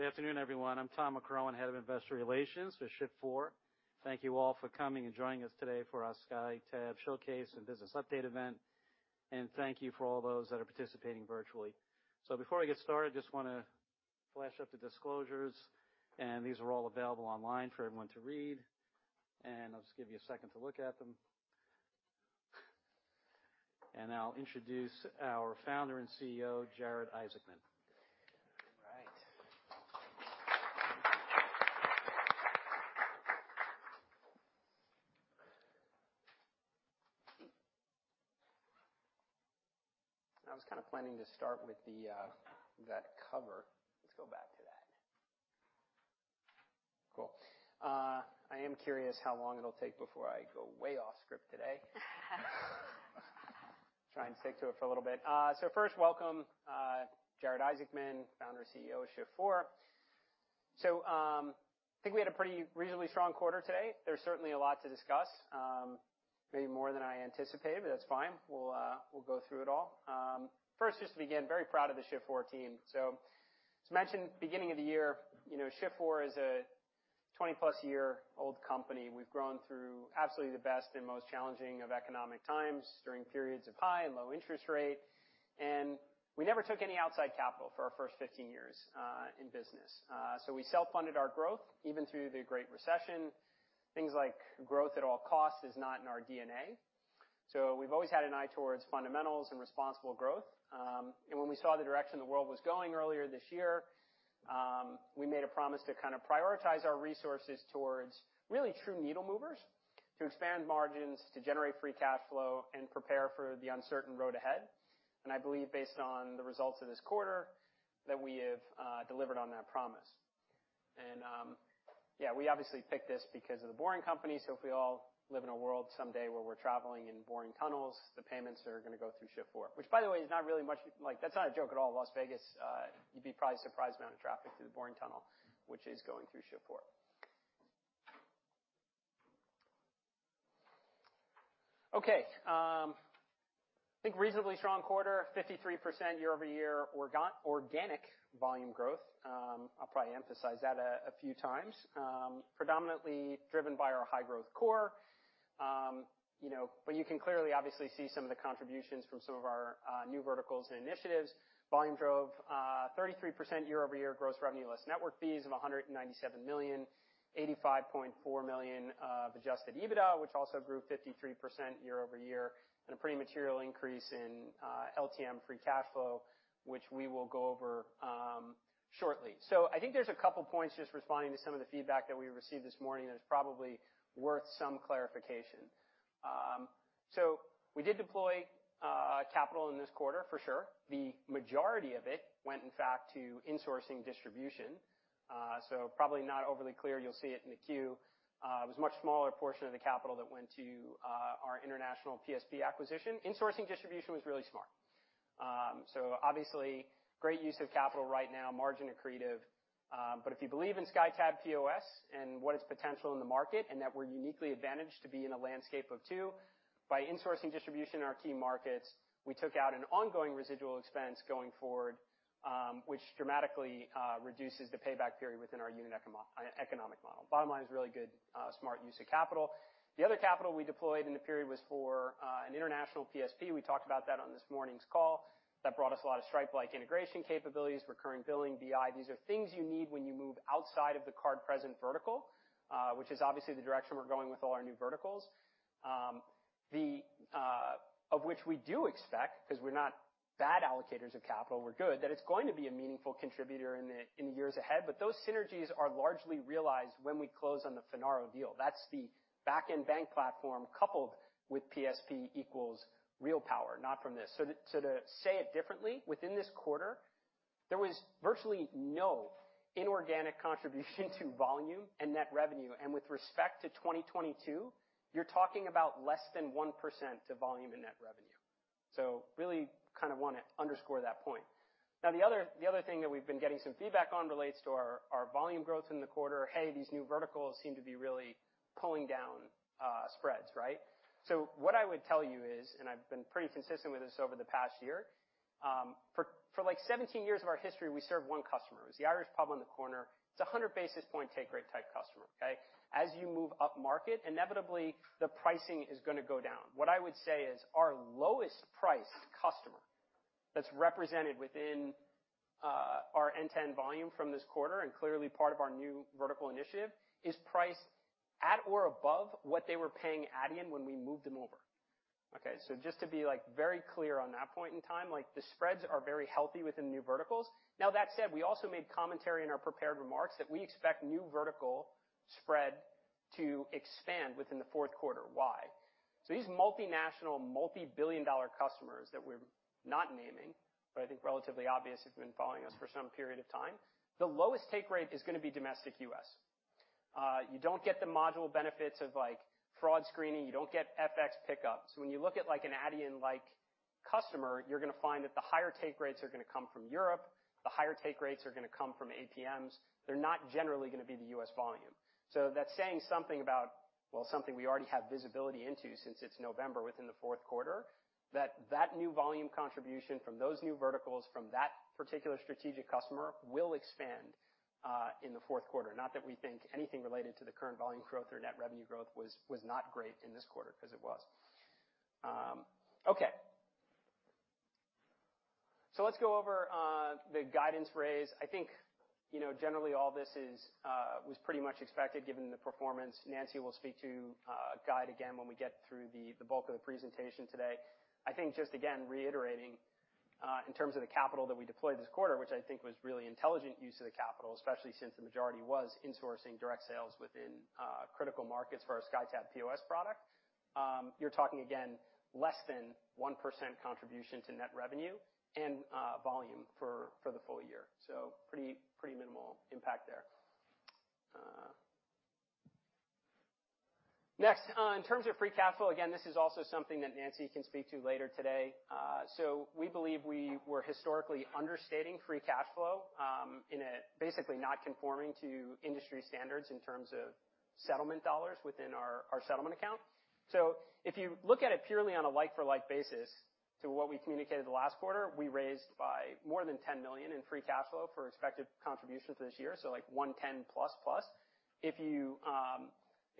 Good afternoon, everyone. I'm Tom McCrohan, Head of Investor Relations for Shift4. Thank you all for coming and joining us today for our SkyTab showcase and business update event. Thank you for all those that are participating virtually. Before I get started, just wanna flash up the disclosures, and these are all available online for everyone to read. I'll just give you a second to look at them. Now I'll introduce our founder and CEO, Jared Isaacman. All right. I was kinda planning to start with that cover. Let's go back to that. Cool. I am curious how long it'll take before I go way off script today. Try and stick to it for a little bit. First, welcome Jared Isaacman, founder and CEO of Shift4. I think we had a pretty reasonably strong quarter today. There's certainly a lot to discuss, maybe more than I anticipated, but that's fine. We'll go through it all. First, just to begin, very proud of the Shift4 team. As mentioned, beginning of the year, you know, Shift4 is a 20+-year-old company. We've grown through absolutely the best and most challenging of economic times during periods of high and low interest rate. We never took any outside capital for our first 15 years in business. We self-funded our growth even through the Great Recession. Things like growth at all costs is not in our DNA. We've always had an eye towards fundamentals and responsible growth. When we saw the direction the world was going earlier this year, we made a promise to kinda prioritize our resources towards really true needle movers to expand margins, to generate free cash flow, and prepare for the uncertain road ahead. I believe, based on the results of this quarter, that we have delivered on that promise. Yeah, we obviously picked this because of The Boring Company. If we all live in a world someday where we're traveling in Boring tunnels, the payments are gonna go through Shift4, which, by the way, is not really much like that's not a joke at all. Las Vegas, you'd probably be surprised the amount of traffic through the Boring Tunnel, which is going through Shift4. I think reasonably strong quarter, 53% year-over-year organic volume growth. I'll probably emphasize that a few times. Predominantly driven by our high growth core, you know, but you can clearly obviously see some of the contributions from some of our new verticals and initiatives. Volume drove 33% year-over-year gross revenue less network fees of $197 million, $85.4 million of adjusted EBITDA, which also grew 53% year-over-year, and a pretty material increase in LTM free cash flow, which we will go over shortly. I think there's a couple points just responding to some of the feedback that we received this morning that is probably worth some clarification. We did deploy capital in this quarter for sure. The majority of it went in fact to insourcing distribution, so probably not overly clear. You'll see it in the queue. It was a much smaller portion of the capital that went to our international PSP acquisition. Insourcing distribution was really smart. Obviously great use of capital right now, margin accretive. If you believe in SkyTab POS and what its potential in the market and that we're uniquely advantaged to be in a landscape of two, by insourcing distribution in our key markets, we took out an ongoing residual expense going forward, which dramatically reduces the payback period within our unit economic model. Bottom line is really good, smart use of capital. The other capital we deployed in the period was for an international PSP. We talked about that on this morning's call. That brought us a lot of Stripe-like integration capabilities, recurring billing, BI. These are things you need when you move outside of the card present vertical, which is obviously the direction we're going with all our new verticals. of which we do expect, 'cause we're not bad allocators of capital, we're good, that it's going to be a meaningful contributor in the years ahead, but those synergies are largely realized when we close on the Finaro deal. That's the back-end bank platform coupled with PSP equals real power, not from this. To say it differently, within this quarter, there was virtually no inorganic contribution to volume and net revenue. With respect to 2022, you're talking about less than 1% to volume and net revenue. Really kind of wanna underscore that point. Now, the other thing that we've been getting some feedback on relates to our volume growth in the quarter. Hey, these new verticals seem to be really pulling down spreads, right? What I would tell you is, and I've been pretty consistent with this over the past year, for like 17 years of our history, we served one customer. It was the Irish pub on the corner. It's a 100 basis point take rate type customer, okay? As you move up market, inevitably the pricing is gonna go down. What I would say is our lowest priced customer that's represented within our net new volume from this quarter and clearly part of our new vertical initiative is priced at or above what they were paying Adyen when we moved them over. Okay? Just to be like very clear on that point in time, like the spreads are very healthy within new verticals. Now that said, we also made commentary in our prepared remarks that we expect new vertical spread to expand within the fourth quarter. Why? These multinational, multi-billion dollar customers that we're not naming, but I think relatively obvious if you've been following us for some period of time, the lowest take rate is gonna be domestic U.S. You don't get the module benefits of like fraud screening. You don't get FX pickups. When you look at like an Adyen-like customer, you're gonna find that the higher take rates are gonna come from Europe. The higher take rates are gonna come from APMs. They're not generally gonna be the U.S. volume. That's saying something about, well, something we already have visibility into since it's November within the fourth quarter, that new volume contribution from those new verticals from that particular strategic customer will expand in the fourth quarter. Not that we think anything related to the current volume growth or net revenue growth was not great in this quarter, 'cause it was. Okay. Let's go over the guidance raise. I think, you know, generally all this is was pretty much expected given the performance. Nancy will speak to guidance again when we get through the bulk of the presentation today. I think just again reiterating in terms of the capital that we deployed this quarter, which I think was really intelligent use of the capital, especially since the majority was insourcing direct sales within critical markets for our SkyTab POS product. You're talking again, less than 1% contribution to net revenue and volume for the full year. Pretty minimal impact there. Next, in terms of free cash flow, again, this is also something that Nancy can speak to later today. We believe we were historically understating free cash flow, in a basically not conforming to industry standards in terms of settlement dollars within our settlement account. If you look at it purely on a like-for-like basis to what we communicated the last quarter, we raised by more than $10 million in free cash flow for expected contributions this year, so like 110+.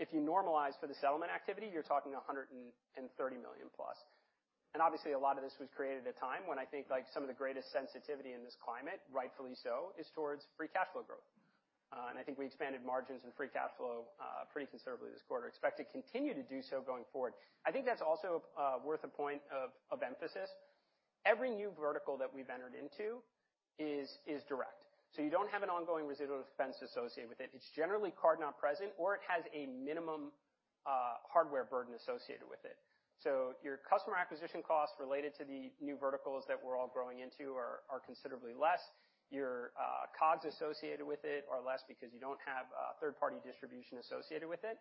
If you normalize for the settlement activity, you're talking $130 million+. Obviously a lot of this was created at a time when I think like some of the greatest sensitivity in this climate, rightfully so, is towards free cash flow growth. I think we expanded margins and free cash flow pretty considerably this quarter. Expect to continue to do so going forward. I think that's also worth a point of emphasis. Every new vertical that we've entered into is direct. You don't have an ongoing residual expense associated with it. It's generally card not present, or it has a minimum hardware burden associated with it. Your customer acquisition costs related to the new verticals that we're all growing into are considerably less. Your COGS associated with it are less because you don't have third-party distribution associated with it.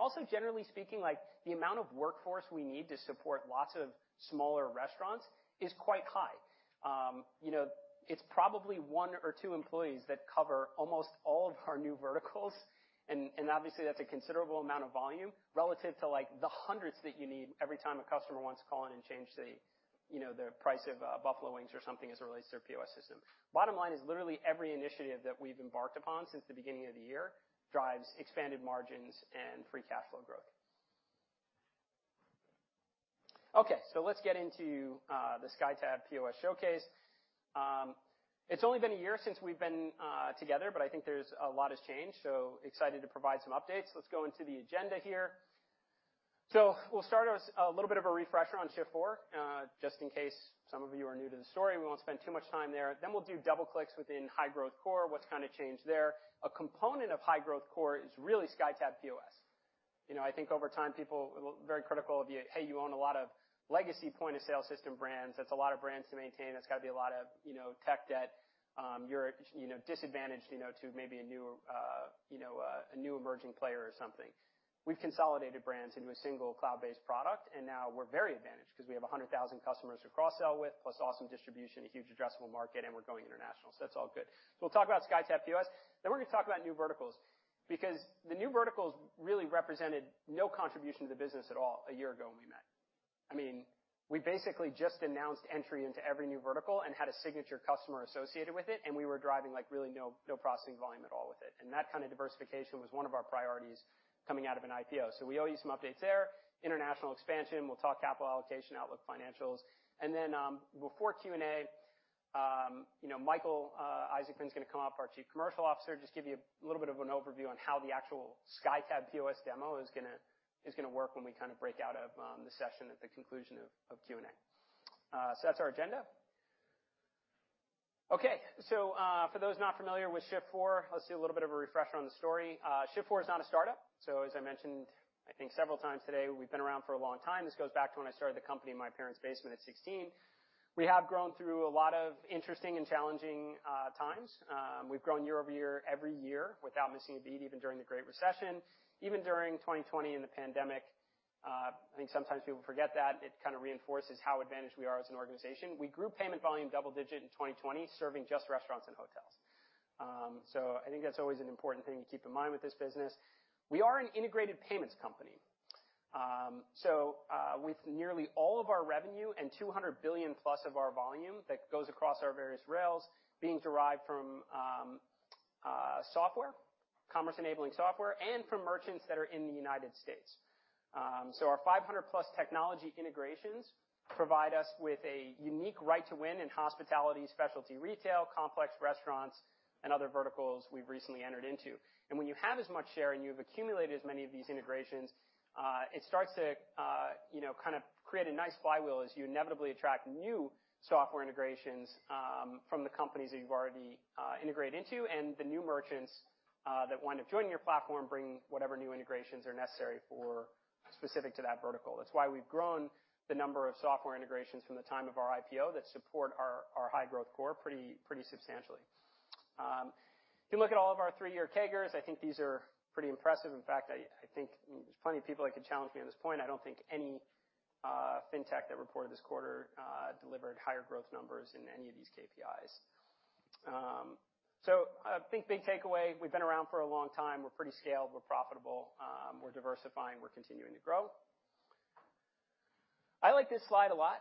Also generally speaking, like the amount of workforce we need to support lots of smaller restaurants is quite high. You know, it's probably one or two employees that cover almost all of our new verticals. Obviously that's a considerable amount of volume relative to like the hundreds that you need every time a customer wants to call in and change the, you know, the price of buffalo wings or something as it relates to their POS system. Bottom line is literally every initiative that we've embarked upon since the beginning of the year drives expanded margins and free cash flow growth. Let's get into the SkyTab POS showcase. It's only been a year since we've been together, but I think there's a lot has changed, excited to provide some updates. Let's go into the agenda here. We'll start with a little bit of a refresher on Shift4, just in case some of you are new to the story. We won't spend too much time there. We'll do double clicks within high-growth core. What's kind of changed there? A component of high-growth core is really SkyTab POS. You know, I think over time people were very critical of you. Hey, you own a lot of legacy point-of-sale system brands. That's a lot of brands to maintain. That's got to be a lot of, you know, tech debt. You're at, you know, disadvantage, you know, to maybe a new emerging player or something. We've consolidated brands into a single cloud-based product, and now we're very advantaged 'cause we have 100,000 customers to cross-sell with, plus awesome distribution, a huge addressable market, and we're going international. That's all good. We'll talk about SkyTab POS. Then we're gonna talk about new verticals because the new verticals really represented no contribution to the business at all a year ago when we met. I mean, we basically just announced entry into every new vertical and had a signature customer associated with it, and we were driving like really no processing volume at all with it. That kind of diversification was one of our priorities coming out of an IPO. We owe you some updates there. International expansion, we'll talk capital allocation, outlook financials. Before Q&A, you know, Michael Isaacman is gonna come up, our Chief Commercial Officer, just give you a little bit of an overview on how the actual SkyTab POS demo is gonna work when we kind of break out of the session at the conclusion of Q&A. That's our agenda. Okay. For those not familiar with Shift4, let's do a little bit of a refresher on the story. Shift4 is not a startup. As I mentioned, I think several times today, we've been around for a long time. This goes back to when I started the company in my parents' basement at 16. We have grown through a lot of interesting and challenging times. We've grown year-over-year every year without missing a beat, even during the Great Recession, even during 2020 and the pandemic. I think sometimes people forget that. It kind of reinforces how advantaged we are as an organization. We grew payment volume double-digit in 2020, serving just restaurants and hotels. I think that's always an important thing to keep in mind with this business. We are an integrated payments company. With nearly all of our revenue and $200 billion+ of our volume that goes across our various rails being derived from software, commerce-enabling software, and from merchants that are in the United States. Our 500+ technology integrations provide us with a unique right to win in hospitality, specialty retail, complex restaurants, and other verticals we've recently entered into. When you have as much share and you've accumulated as many of these integrations, it starts to, you know, kind of create a nice flywheel as you inevitably attract new software integrations from the companies that you've already integrated into and the new merchants that wind up joining your platform, bringing whatever new integrations are necessary for specific to that vertical. That's why we've grown the number of software integrations from the time of our IPO that support our high-growth core pretty substantially. If you look at all of our three-year CAGRs, I think these are pretty impressive. In fact, I think there's plenty of people that could challenge me on this point. I don't think any fintech that reported this quarter delivered higher growth numbers in any of these KPIs. I think big takeaway, we've been around for a long time. We're pretty scaled. We're profitable. We're diversifying. We're continuing to grow. I like this slide a lot.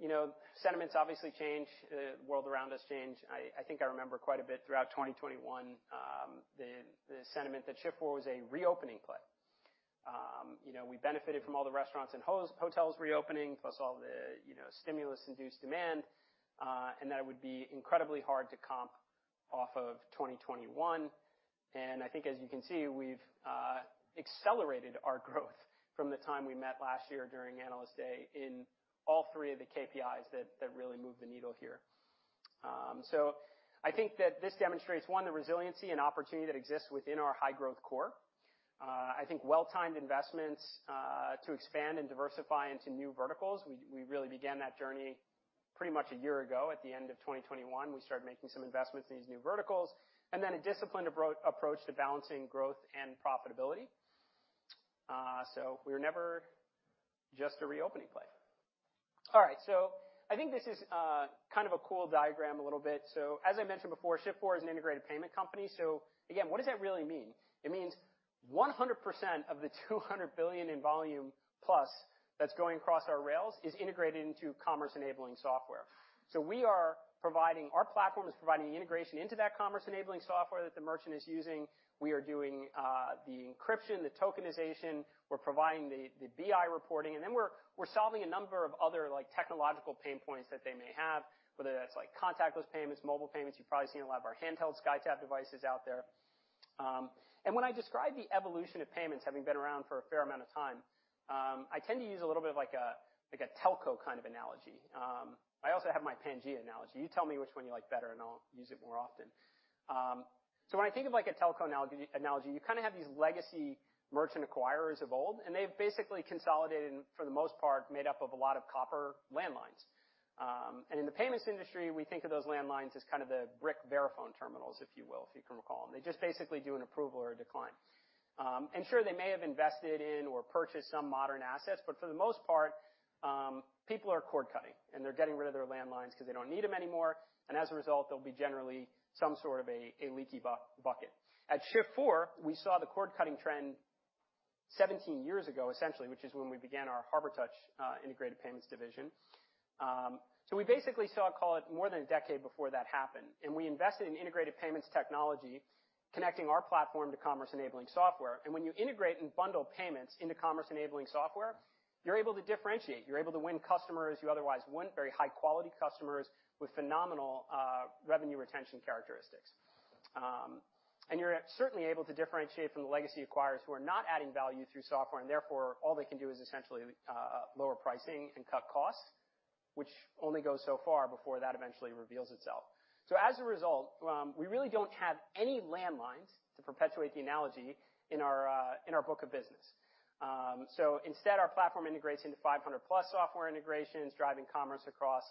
You know, sentiments obviously change. The world around us change. I think I remember quite a bit throughout 2021, the sentiment that Shift4 was a reopening play. You know, we benefited from all the restaurants and hotels reopening, plus all the, you know, stimulus-induced demand, and that it would be incredibly hard to comp off of 2021. I think as you can see, we've accelerated our growth from the time we met last year during Analyst Day in all three of the KPIs that really moved the needle here. I think that this demonstrates, one, the resiliency and opportunity that exists within our high-growth core. I think well-timed investments to expand and diversify into new verticals. We really began that journey pretty much a year ago. At the end of 2021, we started making some investments in these new verticals. Then a disciplined approach to balancing growth and profitability. We were never just a reopening play. All right. I think this is kind of a cool diagram a little bit. As I mentioned before, Shift4 is an integrated payment company. Again, what does that really mean? It means 100% of the $200 billion in volume plus that's going across our rails is integrated into commerce-enabling software. Our platform is providing the integration into that commerce-enabling software that the merchant is using. We are doing the encryption, the tokenization. We're providing the BI reporting, and then we're solving a number of other, like, technological pain points that they may have, whether that's like contactless payments, mobile payments. You've probably seen a lot of our handheld SkyTab devices out there. When I describe the evolution of payments having been around for a fair amount of time, I tend to use a little bit of like a telco kind of analogy. I also have my Pangaea analogy. You tell me which one you like better, and I'll use it more often. When I think of like a telco analogy, you kind of have these legacy merchant acquirers of old, and they've basically consolidated and, for the most part, made up of a lot of copper landlines. In the payments industry, we think of those landlines as kind of the brick Verifone terminals, if you will, if you can recall them. They just basically do an approval or a decline. Sure, they may have invested in or purchased some modern assets, but for the most part, people are cord cutting, and they're getting rid of their landlines because they don't need them anymore. As a result, they'll be generally some sort of a leaky bucket. At Shift4, we saw the cord-cutting trend 17 years ago, essentially, which is when we began our Harbortouch integrated payments division. So we basically saw, call it, more than a decade before that happened, and we invested in integrated payments technology connecting our platform to commerce-enabling software. When you integrate and bundle payments into commerce-enabling software, you're able to differentiate. You're able to win customers you otherwise wouldn't, very high-quality customers with phenomenal revenue retention characteristics. You're certainly able to differentiate from the legacy acquirers who are not adding value through software, and therefore, all they can do is essentially lower pricing and cut costs, which only goes so far before that eventually reveals itself. As a result, we really don't have any landlines to perpetuate the analogy in our in our book of business. Instead, our platform integrates into 500+ software integrations, driving commerce across,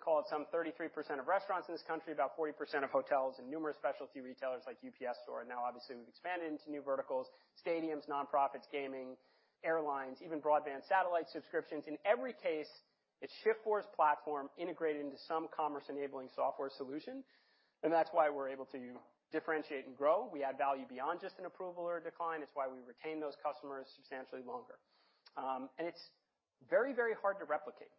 call it, some 33% of restaurants in this country, about 40% of hotels, and numerous specialty retailers like The UPS Store. Now obviously, we've expanded into new verticals, stadiums, nonprofits, gaming, airlines, even broadband satellite subscriptions. In every case, it's Shift4's platform integrated into some commerce-enabling software solution, and that's why we're able to differentiate and grow. We add value beyond just an approval or a decline. It's why we retain those customers substantially longer. It's very hard to replicate,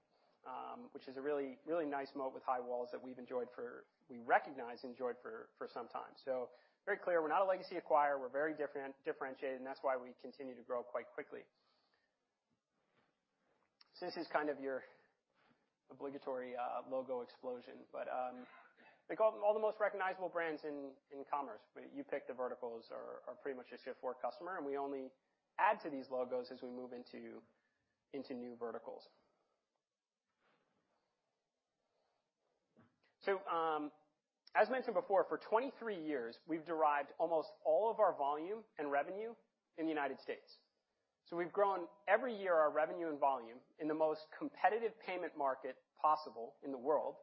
which is a really nice moat with high walls that we've enjoyed for some time. Very clear we're not a legacy acquirer. We're very differentiated, and that's why we continue to grow quite quickly. This is kind of your obligatory logo explosion, but they've got all the most recognizable brands in commerce. But you pick the verticals are pretty much a Shift4 customer, and we only add to these logos as we move into new verticals. As mentioned before, for 23 years, we've derived almost all of our volume and revenue in the United States. We've grown every year our revenue and volume in the most competitive payment market possible in the world.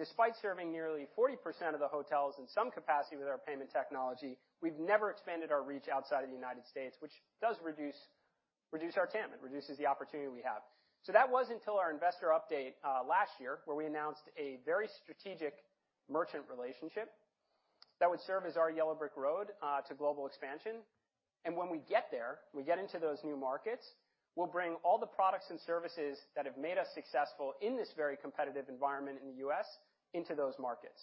Despite serving nearly 40% of the hotels in some capacity with our payment technology, we've never expanded our reach outside of the United States, which does reduce our TAM. It reduces the opportunity we have. That was until our investor update last year, where we announced a very strategic merchant relationship that would serve as our yellow brick road to global expansion. When we get there, we get into those new markets, we'll bring all the products and services that have made us successful in this very competitive environment in the U.S. into those markets.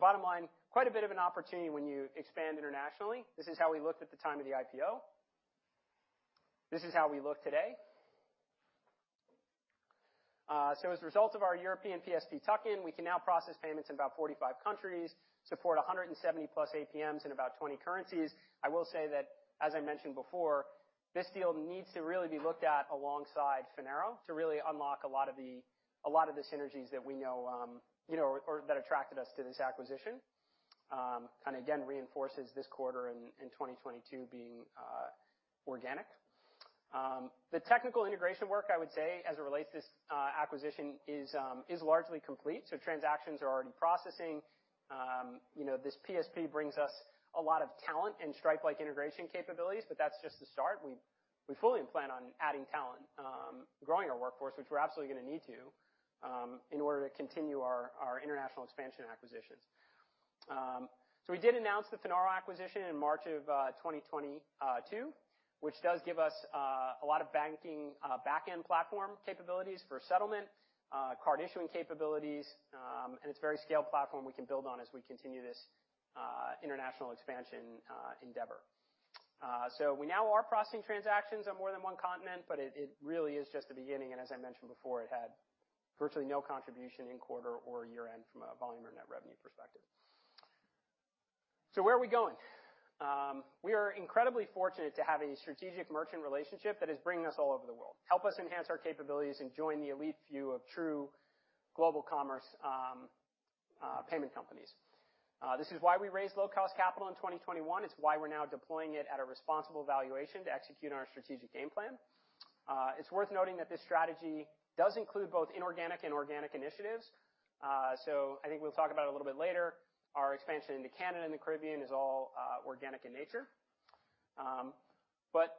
Bottom line, quite a bit of an opportunity when you expand internationally. This is how we looked at the time of the IPO. This is how we look today. As a result of our European PSP tuck-in, we can now process payments in about 45 countries, support 170+APMs in about 20 currencies. I will say that, as I mentioned before, this deal needs to really be looked at alongside Finaro to really unlock a lot of the synergies that we know, you know, or that attracted us to this acquisition. Kind of again reinforces this quarter in 2022 being organic. The technical integration work, I would say, as it relates to this acquisition is largely complete, so transactions are already processing. You know, this PSP brings us a lot of talent and Stripe-like integration capabilities, but that's just the start. We fully plan on adding talent, growing our workforce, which we're absolutely gonna need to in order to continue our international expansion acquisitions. We did announce the Finaro acquisition in March of 2022, which does give us a lot of banking backend platform capabilities for settlement card issuing capabilities, and it's a very scaled platform we can build on as we continue this international expansion endeavor. We now are processing transactions on more than one continent, but it really is just the beginning, and as I mentioned before, it had virtually no contribution in quarter or year-end from a volume or net revenue perspective. Where are we going? We are incredibly fortunate to have a strategic merchant relationship that is bringing us all over the world, help us enhance our capabilities and join the elite few of true global commerce, payment companies. This is why we raised low cost capital in 2021. It's why we're now deploying it at a responsible valuation to execute our strategic game plan. It's worth noting that this strategy does include both inorganic and organic initiatives. I think we'll talk about it a little bit later. Our expansion into Canada and the Caribbean is all organic in nature.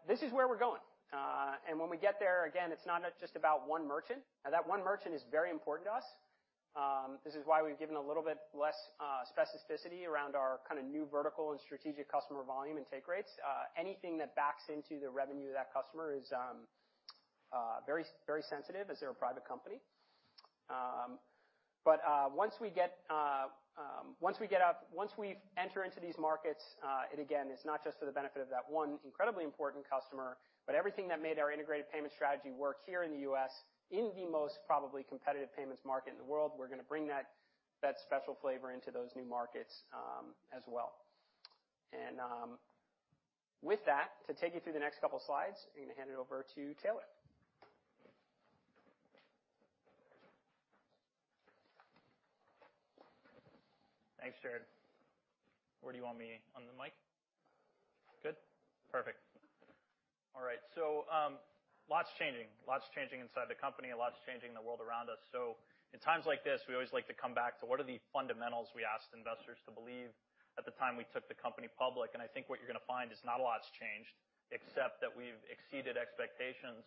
This is where we're going. When we get there, again, it's not just about one merchant. Now that one merchant is very important to us. This is why we've given a little bit less specificity around our kind of new vertical and strategic customer volume and take rates. Anything that backs into the revenue of that customer is very, very sensitive as they're a private company. Once we enter into these markets, it again is not just for the benefit of that one incredibly important customer, but everything that made our integrated payment strategy work here in the U.S. in the most competitive payments market in the world, we're gonna bring that special flavor into those new markets as well. With that, to take you through the next couple slides, I'm gonna hand it over to Taylor. Thanks, Jared. Where do you want me on the mic? Good? Perfect. All right. Lots changing inside the company, a lot's changing in the world around us. In times like this, we always like to come back to what are the fundamentals we asked investors to believe at the time we took the company public. I think what you're gonna find is not a lot's changed, except that we've exceeded expectations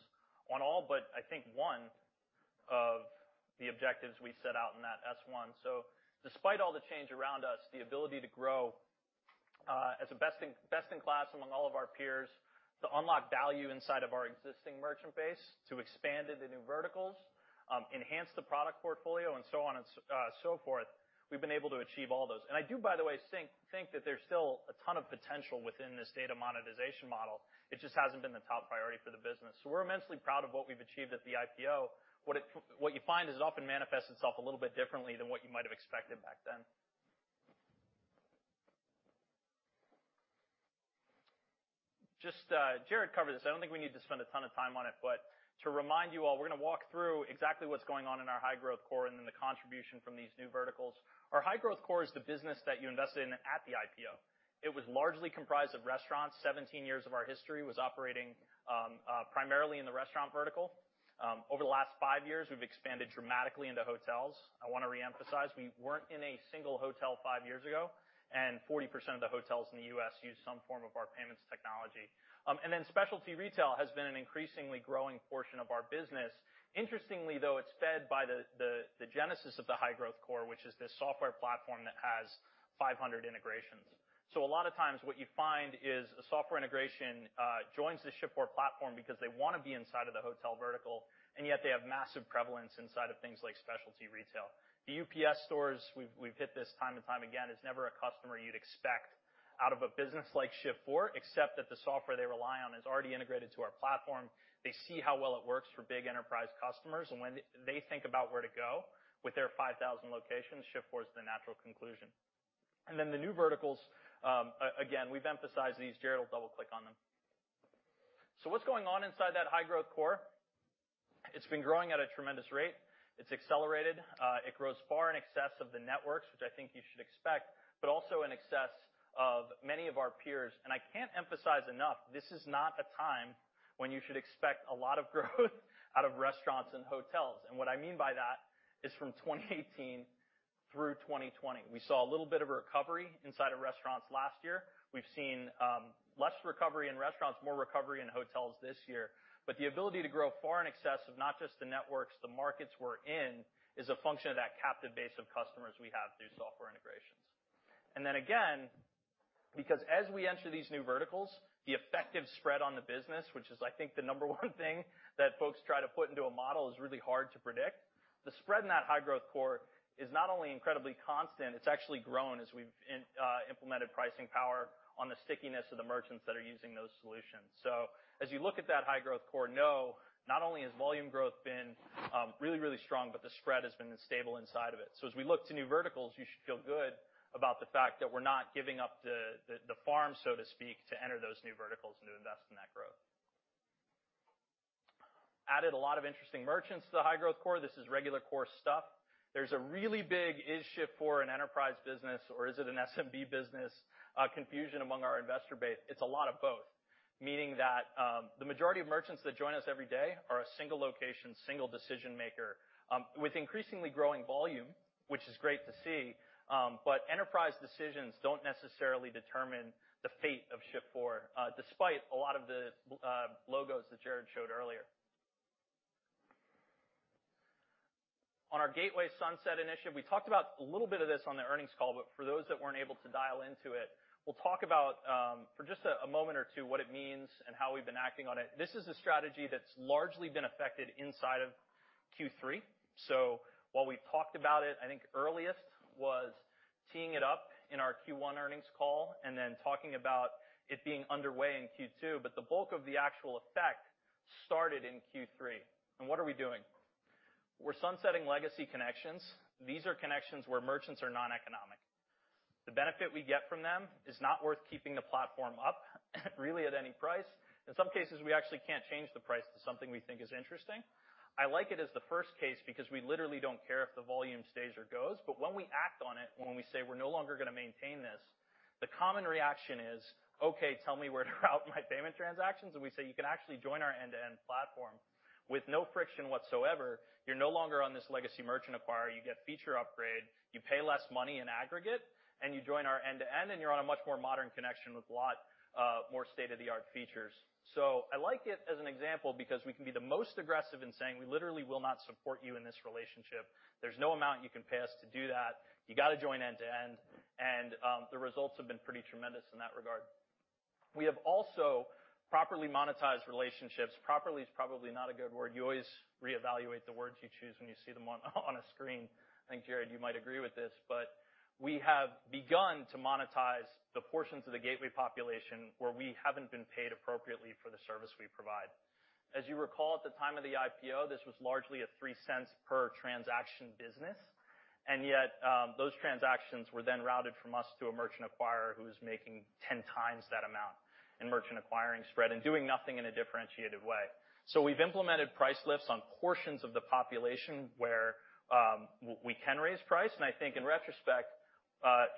on all, but I think one of the objectives we set out in that S-1. Despite all the change around us, the ability to grow as a best in class among all of our peers, to unlock value inside of our existing merchant base, to expand into new verticals, enhance the product portfolio, and so on and so forth, we've been able to achieve all those. I do, by the way, think that there's still a ton of potential within this data monetization model. It just hasn't been the top priority for the business. We're immensely proud of what we've achieved at the IPO. What you find is it often manifests itself a little bit differently than what you might have expected back then. Just, Jared covered this. I don't think we need to spend a ton of time on it, but to remind you all, we're gonna walk through exactly what's going on in our high growth core and then the contribution from these new verticals. Our high growth core is the business that you invested in at the IPO. It was largely comprised of restaurants. 17 years of our history was operating primarily in the restaurant vertical. Over the last five years, we've expanded dramatically into hotels. I wanna reemphasize, we weren't in a single hotel five years ago, and 40% of the hotels in the U.S. use some form of our payments technology. And then specialty retail has been an increasingly growing portion of our business. Interestingly, though, it's fed by the genesis of the high growth core, which is this software platform that has 500 integrations. So a lot of times what you find is a software integration joins the Shift4 platform because they wanna be inside of the hotel vertical, and yet they have massive prevalence inside of things like specialty retail. The UPS Store, we've hit this time and time again. It's never a customer you'd expect out of a business like Shift4, except that the software they rely on is already integrated to our platform. They see how well it works for big enterprise customers, and when they think about where to go with their 5,000 locations, Shift4 is the natural conclusion. The new verticals, again, we've emphasized these. Jared will double-click on them. What's going on inside that high growth core? It's been growing at a tremendous rate. It's accelerated. It grows far in excess of the networks, which I think you should expect, but also in excess of many of our peers. I can't emphasize enough, this is not a time when you should expect a lot of growth out of restaurants and hotels. What I mean by that is from 2018 through 2020, we saw a little bit of a recovery inside of restaurants last year. We've seen less recovery in restaurants, more recovery in hotels this year. The ability to grow far in excess of not just the networks, the markets we're in, is a function of that captive base of customers we have through software integrations. Then again, because as we enter these new verticals, the effective spread on the business, which is I think the number one thing that folks try to put into a model, is really hard to predict. The spread in that high growth core is not only incredibly constant, it's actually grown as we've implemented pricing power on the stickiness of the merchants that are using those solutions. As you look at that high growth core, know not only has volume growth been really, really strong, but the spread has been stable inside of it. As we look to new verticals, you should feel good about the fact that we're not giving up the farm, so to speak, to enter those new verticals and to invest in that growth. Added a lot of interesting merchants to the high growth core. This is regular core stuff. There's a really big confusion among our investor base: is Shift4 an enterprise business or is it an SMB business? It's a lot of both, meaning that the majority of merchants that join us every day are a single location, single decision maker with increasingly growing volume, which is great to see. Enterprise decisions don't necessarily determine the fate of Shift4, despite a lot of the logos that Jared showed earlier. On our gateway sunset initiative, we talked about a little bit of this on the earnings call, but for those that weren't able to dial into it, we'll talk about, for just a moment or two what it means and how we've been acting on it. This is a strategy that's largely been effected inside of Q3. While we talked about it, I think earliest was teeing it up in our Q1 earnings call and then talking about it being underway in Q2, but the bulk of the actual effect started in Q3. What are we doing? We're sunsetting legacy connections. These are connections where merchants are noneconomic. The benefit we get from them is not worth keeping the platform up really at any price. In some cases, we actually can't change the price to something we think is interesting. I like it as the first case because we literally don't care if the volume stays or goes. When we act on it, when we say we're no longer gonna maintain this, the common reaction is, "Okay, tell me where to route my payment transactions," and we say, "You can actually join our end-to-end platform with no friction whatsoever. You're no longer on this legacy merchant acquirer. You get feature upgrade, you pay less money in aggregate, and you join our end-to-end, and you're on a much more modern connection with a lot more state-of-the-art features." I like it as an example because we can be the most aggressive in saying we literally will not support you in this relationship. There's no amount you can pay us to do that. You got to join end-to-end, and the results have been pretty tremendous in that regard. We have also properly monetized relationships. Properly is probably not a good word. You always reevaluate the words you choose when you see them on a screen. I think, Jared, you might agree with this, but we have begun to monetize the portions of the gateway population where we haven't been paid appropriately for the service we provide. As you recall, at the time of the IPO, this was largely a $0.03 per transaction business, and yet, those transactions were then routed from us to a merchant acquirer who's making 10x that amount in merchant acquiring spread and doing nothing in a differentiated way. We've implemented price lifts on portions of the population where we can raise price, and I think in retrospect,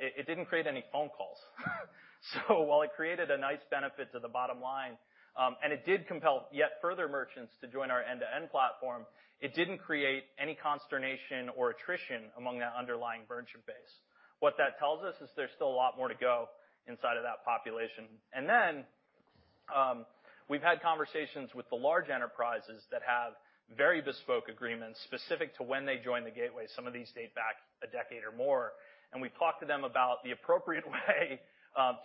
it didn't create any phone calls. While it created a nice benefit to the bottom line, and it did compel yet further merchants to join our end-to-end platform, it didn't create any consternation or attrition among that underlying merchant base. What that tells us is there's still a lot more to go inside of that population. We've had conversations with the large enterprises that have very bespoke agreements specific to when they join the gateway. Some of these date back a decade or more, and we talked to them about the appropriate way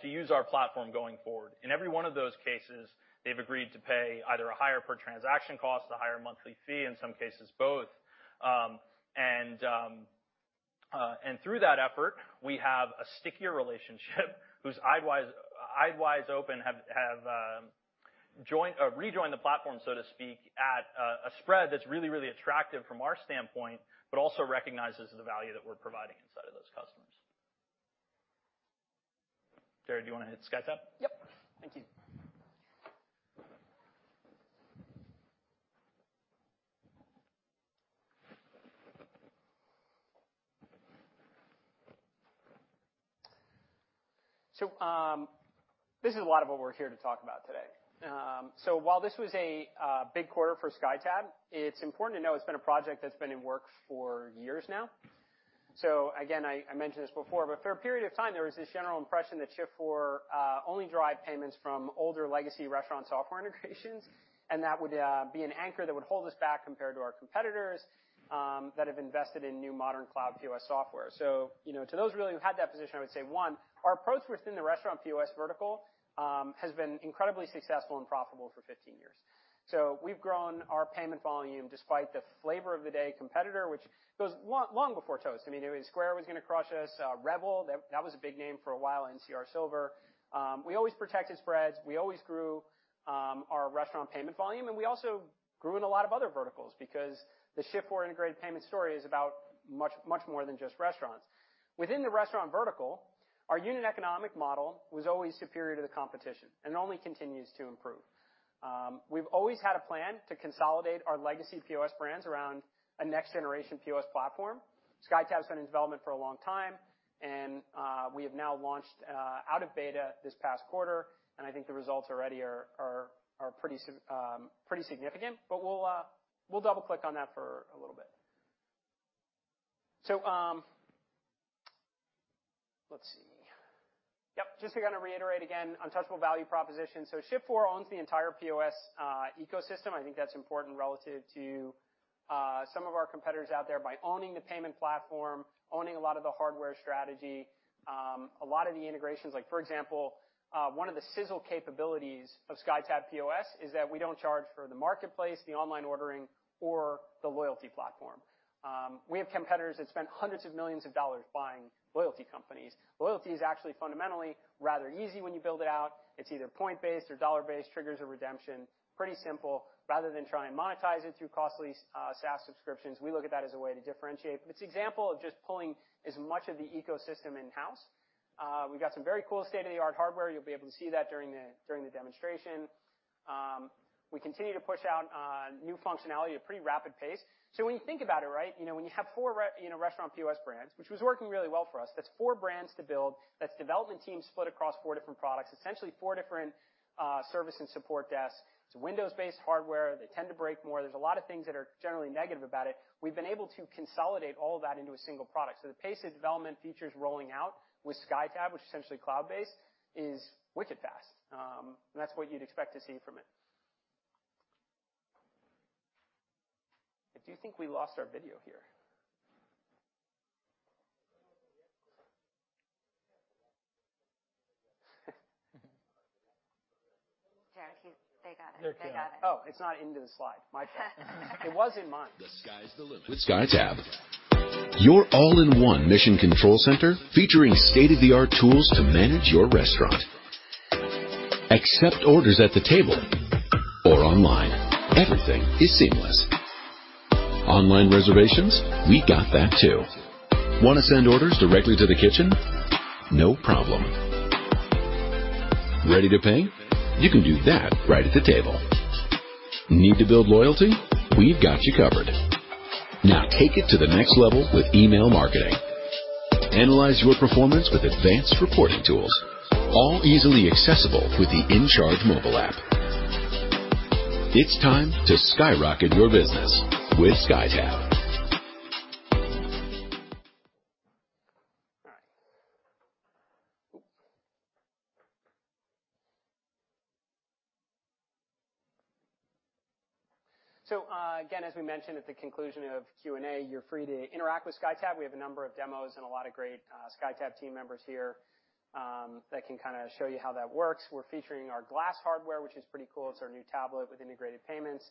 to use our platform going forward. In every one of those cases, they've agreed to pay either a higher per transaction cost, a higher monthly fee, in some cases both. Through that effort, we have a stickier relationship with eyes wide open have rejoined the platform, so to speak, at a spread that's really, really attractive from our standpoint, but also recognizes the value that we're providing inside of those customers. Jared, do you wanna hit SkyTab? Yep. Thank you. This is a lot of what we're here to talk about today. While this was a big quarter for SkyTab, it's important to know it's been a project that's been in work for years now. Again, I mentioned this before, but for a period of time, there was this general impression that Shift4 only derived payments from older legacy restaurant software integrations, and that would be an anchor that would hold us back compared to our competitors that have invested in new modern cloud POS software. You know, to those really who had that position, I would say, one, our approach within the restaurant POS vertical has been incredibly successful and profitable for 15 years. We've grown our payment volume despite the flavor of the day competitor, which goes long, long before Toast. I mean, it was Square was gonna crush us. Revel, that was a big name for a while, NCR Silver. We always protected spreads. We always grew our restaurant payment volume, and we also grew in a lot of other verticals because the Shift4 integrated payment story is about much, much more than just restaurants. Within the restaurant vertical, our unit economic model was always superior to the competition and only continues to improve. We've always had a plan to consolidate our legacy POS brands around a next generation POS platform. SkyTab's been in development for a long time, and we have now launched out of beta this past quarter, and I think the results already are pretty significant. We'll double click on that for a little bit. Let's see. Yep. Just gonna reiterate again, untouchable value proposition. Shift4 owns the entire POS ecosystem. I think that's important relative to some of our competitors out there by owning the payment platform, owning a lot of the hardware strategy, a lot of the integrations. Like, for example, one of the sizzle capabilities of SkyTab POS is that we don't charge for the marketplace, the online ordering, or the loyalty platform. We have competitors that spend hundreds of millions of dollars buying loyalty companies. Loyalty is actually fundamentally rather easy when you build it out. It's either point-based or dollar-based, triggers a redemption, pretty simple, rather than try and monetize it through costly SaaS subscriptions. We look at that as a way to differentiate. It's an example of just pulling as much of the ecosystem in-house. We've got some very cool state-of-the-art hardware. You'll be able to see that during the demonstration. We continue to push out new functionality at pretty rapid pace. When you think about it, right, you know, when you have four restaurant POS brands, which was working really well for us. That's four brands to build. That's development teams split across four different products, essentially four different service and support desks. It's Windows-based hardware. They tend to break more. There's a lot of things that are generally negative about it. We've been able to consolidate all that into a single product. The pace of development features rolling out with SkyTab, which is essentially cloud-based, is wicked fast. And that's what you'd expect to see from it. I do think we lost our video here. They got it. Oh, it's not into the slide. My bad. It was in mine. The sky's the limit with SkyTab. Your all-in-one mission control center featuring state-of-the-art tools to manage your restaurant. Accept orders at the table or online. Everything is seamless. Online reservations, we got that too. Wanna send orders directly to the kitchen? No problem. Ready to pay? You can do that right at the table. Need to build loyalty? We've got you covered. Now take it to the next level with email marketing. Analyze your performance with advanced reporting tools, all easily accessible with the InCharge mobile app. It's time to skyrocket your business with SkyTab. All right. Again, as we mentioned at the conclusion of Q&A, you're free to interact with SkyTab. We have a number of demos and a lot of great SkyTab team members here that can kinda show you how that works. We're featuring our Glass hardware, which is pretty cool. It's our new tablet with integrated payments.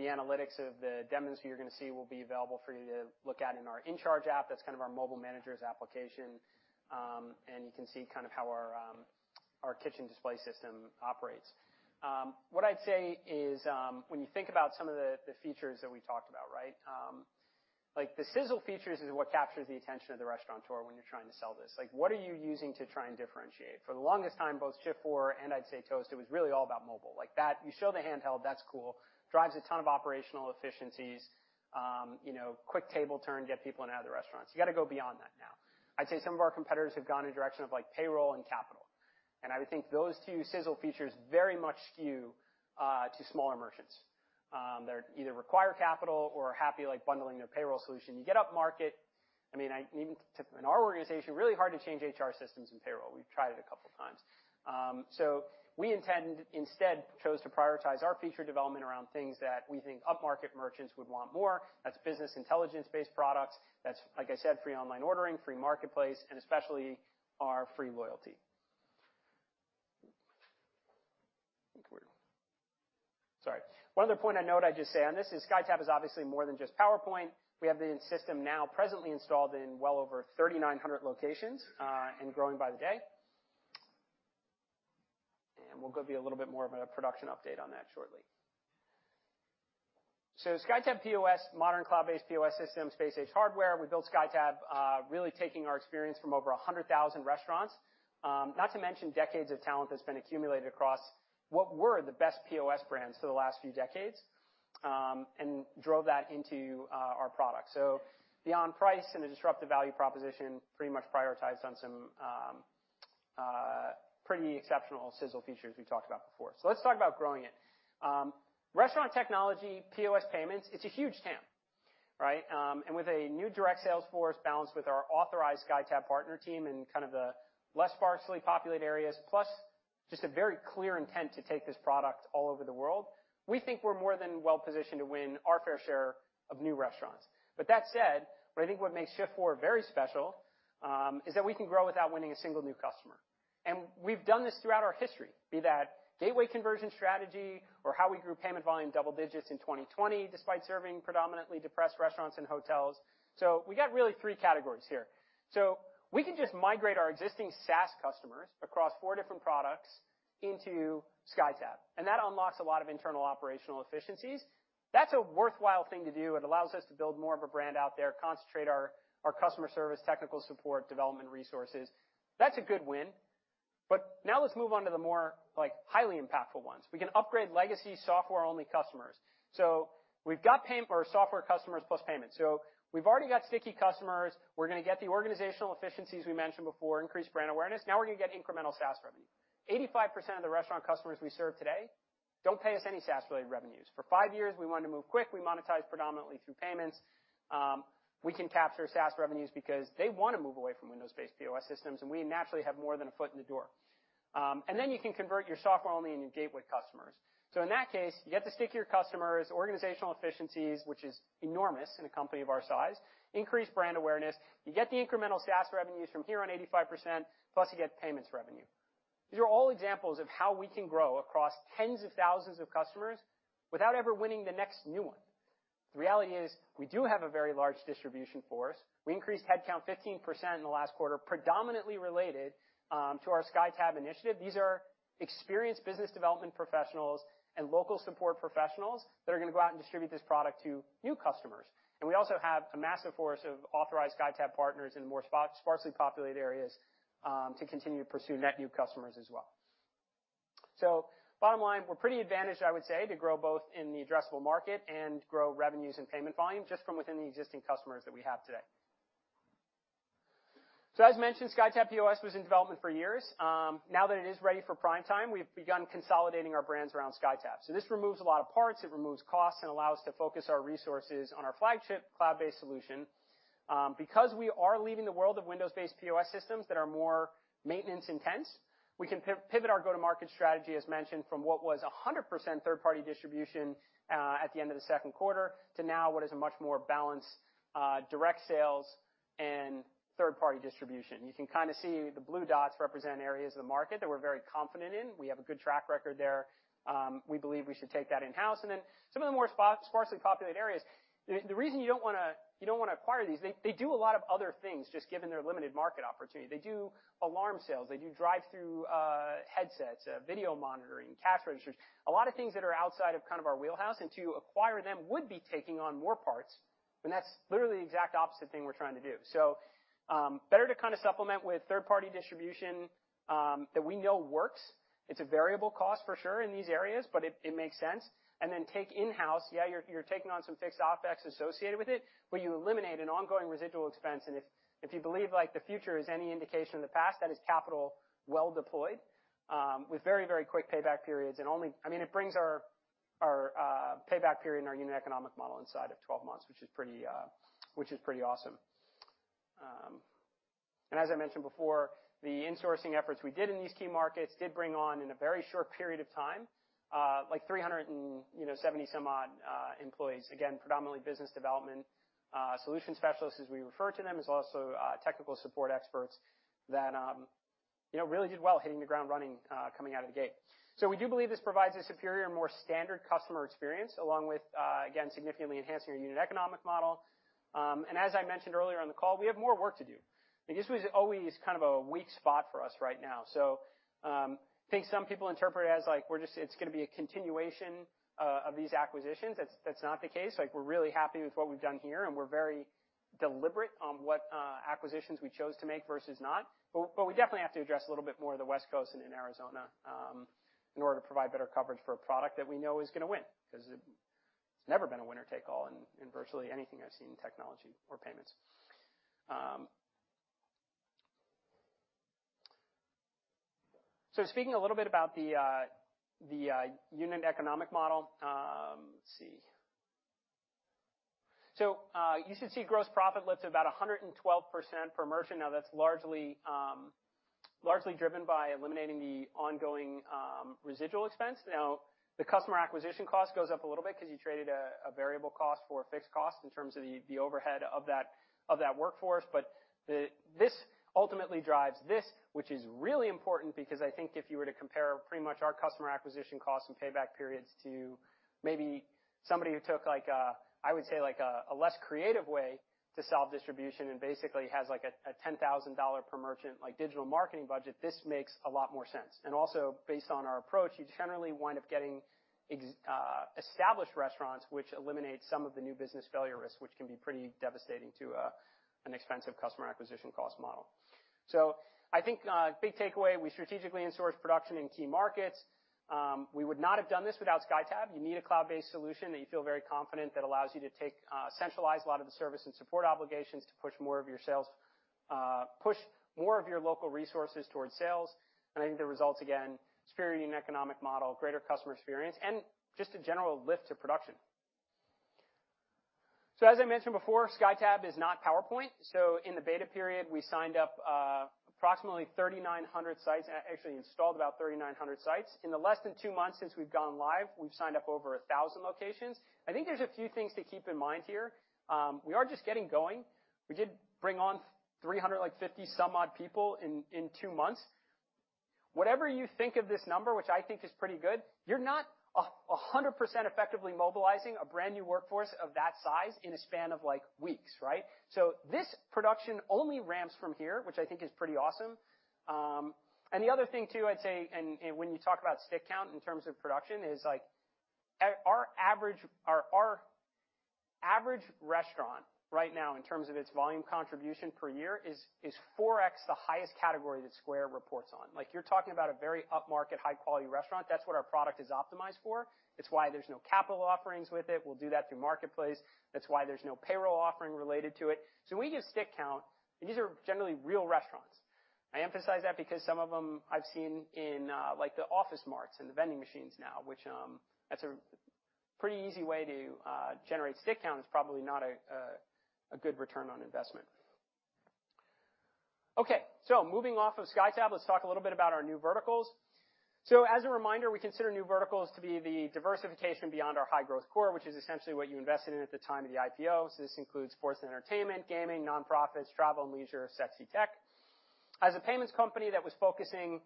The analytics of the demos you're gonna see will be available for you to look at in our InCharge app. That's kind of our mobile managers application. You can see kind of how our kitchen display system operates. What I'd say is, when you think about some of the features that we talked about, right? Like the sizzle features is what captures the attention of the restaurateur when you're trying to sell this. Like, what are you using to try and differentiate? For the longest time, both Shift4 and I'd say Toast, it was really all about mobile. Like that, you show the handheld, that's cool, drives a ton of operational efficiencies, you know, quick table turn, get people in and out of the restaurants. You gotta go beyond that now. I'd say some of our competitors have gone in a direction of like payroll and capital. I would think those two sizzle features very much skew to smaller merchants that either require capital or are happy, like, bundling their payroll solution. You get up market, I mean, I even. In our organization, really hard to change HR systems and payroll. We've tried it a couple times. So instead chose to prioritize our feature development around things that we think up-market merchants would want more. That's business intelligence-based products. That's, like I said, free online ordering, free marketplace, and especially our free loyalty. One other point I'd note, I'd just say on this is SkyTab is obviously more than just PowerPoint. We have the system now presently installed in well over 3,900 locations, and growing by the day. We'll give you a little bit more of a production update on that shortly. SkyTab POS, modern cloud-based POS system, space-age hardware. We built SkyTab, really taking our experience from over 100,000 restaurants, not to mention decades of talent that's been accumulated across what were the best POS brands for the last few decades, and drove that into our product. Beyond price and the disruptive value proposition, pretty much prioritized on some pretty exceptional sizzle features we talked about before. Let's talk about growing it. Restaurant technology, POS payments, it's a huge TAM, right? With a new direct sales force balanced with our authorized SkyTab partner team in kind of the less sparsely populated areas, plus just a very clear intent to take this product all over the world, we think we're more than well-positioned to win our fair share of new restaurants. That said, what I think makes Shift4 very special is that we can grow without winning a single new customer. We've done this throughout our history, be that gateway conversion strategy or how we grew payment volume double digits in 2020 despite serving predominantly depressed restaurants and hotels. We got really three categories here. We can just migrate our existing SaaS customers across four different products into SkyTab, and that unlocks a lot of internal operational efficiencies. That's a worthwhile thing to do. It allows us to build more of a brand out there, concentrate our customer service, technical support, development resources. That's a good win. Now let's move on to the more, like, highly impactful ones. We can upgrade legacy software-only customers. We've got payment or software customers plus payments. We've already got sticky customers. We're gonna get the organizational efficiencies we mentioned before, increased brand awareness. Now we're gonna get incremental SaaS revenue. 85% of the restaurant customers we serve today don't pay us any SaaS-related revenues. For five years, we wanted to move quick. We monetize predominantly through payments. We can capture SaaS revenues because they wanna move away from Windows-based POS systems, and we naturally have more than a foot in the door. And then you can convert your software-only and your gateway customers. In that case, you get to stick to your customers, organizational efficiencies, which is enormous in a company of our size, increase brand awareness. You get the incremental SaaS revenues from here on 85%+ you get payments revenue. These are all examples of how we can grow across tens of thousands of customers without ever winning the next new one. The reality is, we do have a very large distribution force. We increased headcount 15% in the last quarter, predominantly related to our SkyTab initiative. These are experienced business development professionals and local support professionals that are gonna go out and distribute this product to new customers. We also have a massive force of authorized SkyTab partners in more sparsely populated areas to continue to pursue net new customers as well. Bottom line, we're pretty advantaged, I would say, to grow both in the addressable market and grow revenues and payment volume just from within the existing customers that we have today. As mentioned, SkyTab POS was in development for years. Now that it is ready for prime time, we've begun consolidating our brands around SkyTab. This removes a lot of parts, it removes costs, and allows to focus our resources on our flagship cloud-based solution. Because we are leaving the world of Windows-based POS systems that are more maintenance intense. We can pivot our go-to-market strategy, as mentioned, from what was 100% third-party distribution at the end of the second quarter to now what is a much more balanced direct sales and third-party distribution. You can kind of see the blue dots represent areas of the market that we're very confident in. We have a good track record there. We believe we should take that in-house. Some of the more sparsely populated areas, the reason you don't wanna acquire these, they do a lot of other things just given their limited market opportunity. They do alarm sales, they do drive-through headsets, video monitoring, cash registers, a lot of things that are outside of kind of our wheelhouse. To acquire them would be taking on more parts, and that's literally the exact opposite thing we're trying to do. Better to kind of supplement with third-party distribution that we know works. It's a variable cost for sure in these areas, but it makes sense. Take in-house. Yeah, you're taking on some fixed OPEX associated with it, but you eliminate an ongoing residual expense, and if you believe, like, the future is any indication of the past, that is capital well deployed, with very quick payback periods. I mean, it brings our payback period and our unit economic model inside of 12 months, which is pretty awesome. As I mentioned before, the insourcing efforts we did in these key markets did bring on, in a very short period of time, like 370-some odd employees, again, predominantly business development solution specialists, as we refer to them, as also technical support experts that you know, really did well hitting the ground running, coming out of the gate. We do believe this provides a superior, more standard customer experience along with, again, significantly enhancing our unit economic model. As I mentioned earlier on the call, we have more work to do. I think this was always kind of a weak spot for us right now. Think some people interpret it as, like, it's gonna be a continuation of these acquisitions. That's not the case. Like, we're really happy with what we've done here, and we're very deliberate on what acquisitions we chose to make versus not. But we definitely have to address a little bit more of the West Coast and in Arizona in order to provide better coverage for a product that we know is gonna win, 'cause it's never been a winner-take-all in virtually anything I've seen in technology or payments. Speaking a little bit about the unit economic model. Let's see. You should see gross profit lifts about 112% per merchant. Now that's largely driven by eliminating the ongoing, residual expense. Now, the customer acquisition cost goes up a little bit because you traded a variable cost for a fixed cost in terms of the overhead of that workforce. This ultimately drives this, which is really important because I think if you were to compare pretty much our customer acquisition costs and payback periods to maybe somebody who took like a, I would say, a less creative way to solve distribution and basically has like a $10,000 per merchant like digital marketing budget, this makes a lot more sense. Based on our approach, you generally wind up getting established restaurants, which eliminates some of the new business failure risks, which can be pretty devastating to an expensive customer acquisition cost model. I think big takeaway, we strategically insourced production in key markets. We would not have done this without SkyTab. You need a cloud-based solution that you feel very confident that allows you to centralize a lot of the service and support obligations to push more of your sales, push more of your local resources towards sales. I think the results, again, superior unit economic model, greater customer experience, and just a general lift to production. As I mentioned before, SkyTab is not PowerPoint. In the beta period, we signed up approximately 3,900 sites, actually installed about 3,900 sites. In the less than two months since we've gone live, we've signed up over 1,000 locations. I think there's a few things to keep in mind here. We are just getting going. We did bring on 300 and like 50 some odd people in two months. Whatever you think of this number, which I think is pretty good, you're not 100% effectively mobilizing a brand-new workforce of that size in a span of like weeks, right? This production only ramps from here, which I think is pretty awesome. The other thing too, I'd say, when you talk about ticket count in terms of production is like, our average restaurant right now in terms of its volume contribution per year is 4x the highest category that Square reports on. Like, you're talking about a very upmarket, high quality restaurant. That's what our product is optimized for. It's why there's no capital offerings with it. We'll do that through Marketplace. That's why there's no payroll offering related to it. When we use seat count, and these are generally real restaurants, I emphasize that because some of them I've seen in, like the Office Depot and the vending machines now, which, that's a pretty easy way to generate seat count. It's probably not a good return on investment. Okay, moving off of SkyTab, let's talk a little bit about our new verticals. As a reminder, we consider new verticals to be the diversification beyond our high growth core, which is essentially what you invested in at the time of the IPO. This includes sports and entertainment, gaming, nonprofits, travel and leisure, SET, SE, tech. As a payments company that was focusing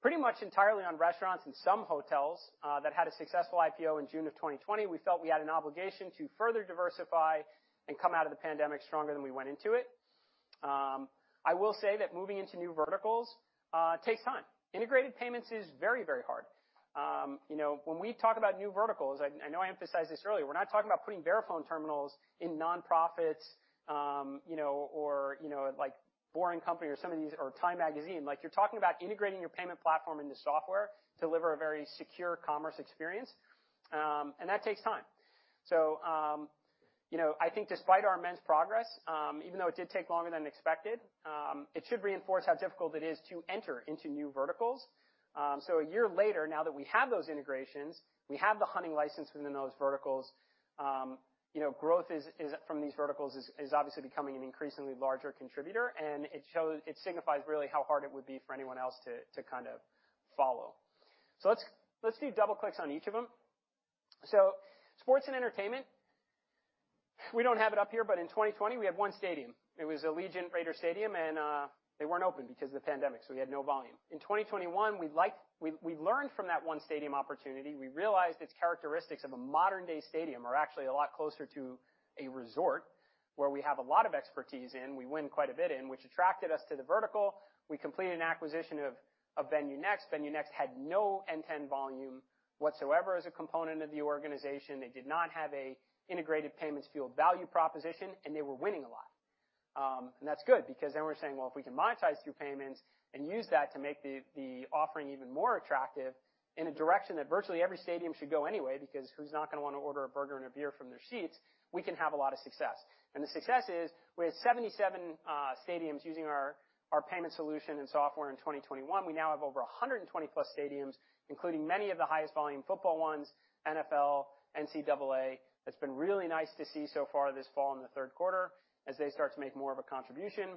pretty much entirely on restaurants and some hotels, that had a successful IPO in June of 2020, we felt we had an obligation to further diversify and come out of the pandemic stronger than we went into it. I will say that moving into new verticals takes time. Integrated payments is very, very hard. You know, when we talk about new verticals, I know I emphasized this earlier, we're not talking about putting Verifone terminals in nonprofits, you know, or, you know, like The Boring Company or some of these, or Time. Like, you're talking about integrating your payment platform into software to deliver a very secure commerce experience, and that takes time. you know, I think despite our immense progress, even though it did take longer than expected, it should reinforce how difficult it is to enter into new verticals. A year later, now that we have those integrations, we have the hunting license within those verticals, you know, growth from these verticals is obviously becoming an increasingly larger contributor, and it signifies really how hard it would be for anyone else to kind of follow. Let's do double clicks on each of them. Sports and entertainment, we don't have it up here, but in 2020, we had one stadium. It was Allegiant Stadium, and they weren't open because of the pandemic, so we had no volume. In 2021, we learned from that one stadium opportunity. We realized its characteristics of a modern-day stadium are actually a lot closer to a resort where we have a lot of expertise in, we win quite a bit in, which attracted us to the vertical. We completed an acquisition of VenueNext. VenueNext had no net volume whatsoever as a component of the organization. They did not have an integrated payments field value proposition, and they were winning a lot. That's good because then we're saying, "Well, if we can monetize through payments and use that to make the offering even more attractive in a direction that virtually every stadium should go anyway, because who's not gonna wanna order a burger and a beer from their seats, we can have a lot of success." The success is we had 77 stadiums using our payment solution and software in 2021. We now have over 120+ stadiums, including many of the highest volume football ones, NFL, NCAA. It's been really nice to see so far this fall in the third quarter as they start to make more of a contribution.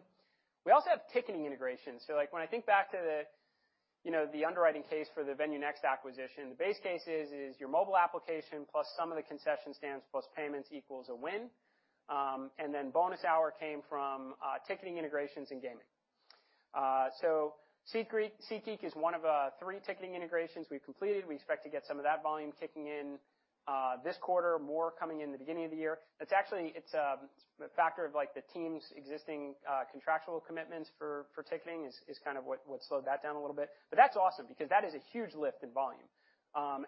We also have ticketing integration. Like when I think back to the, you know, the underwriting case for the VenueNext acquisition, the base case is your mobile application plus some of the concession stands plus payments equals a win. Bonus upside came from ticketing integrations and gaming. SeatGeek is one of three ticketing integrations we've completed. We expect to get some of that volume kicking in this quarter, more coming in the beginning of the year. It's actually a factor of like the team's existing contractual commitments for ticketing, is kind of what slowed that down a little bit. That's awesome because that is a huge lift in volume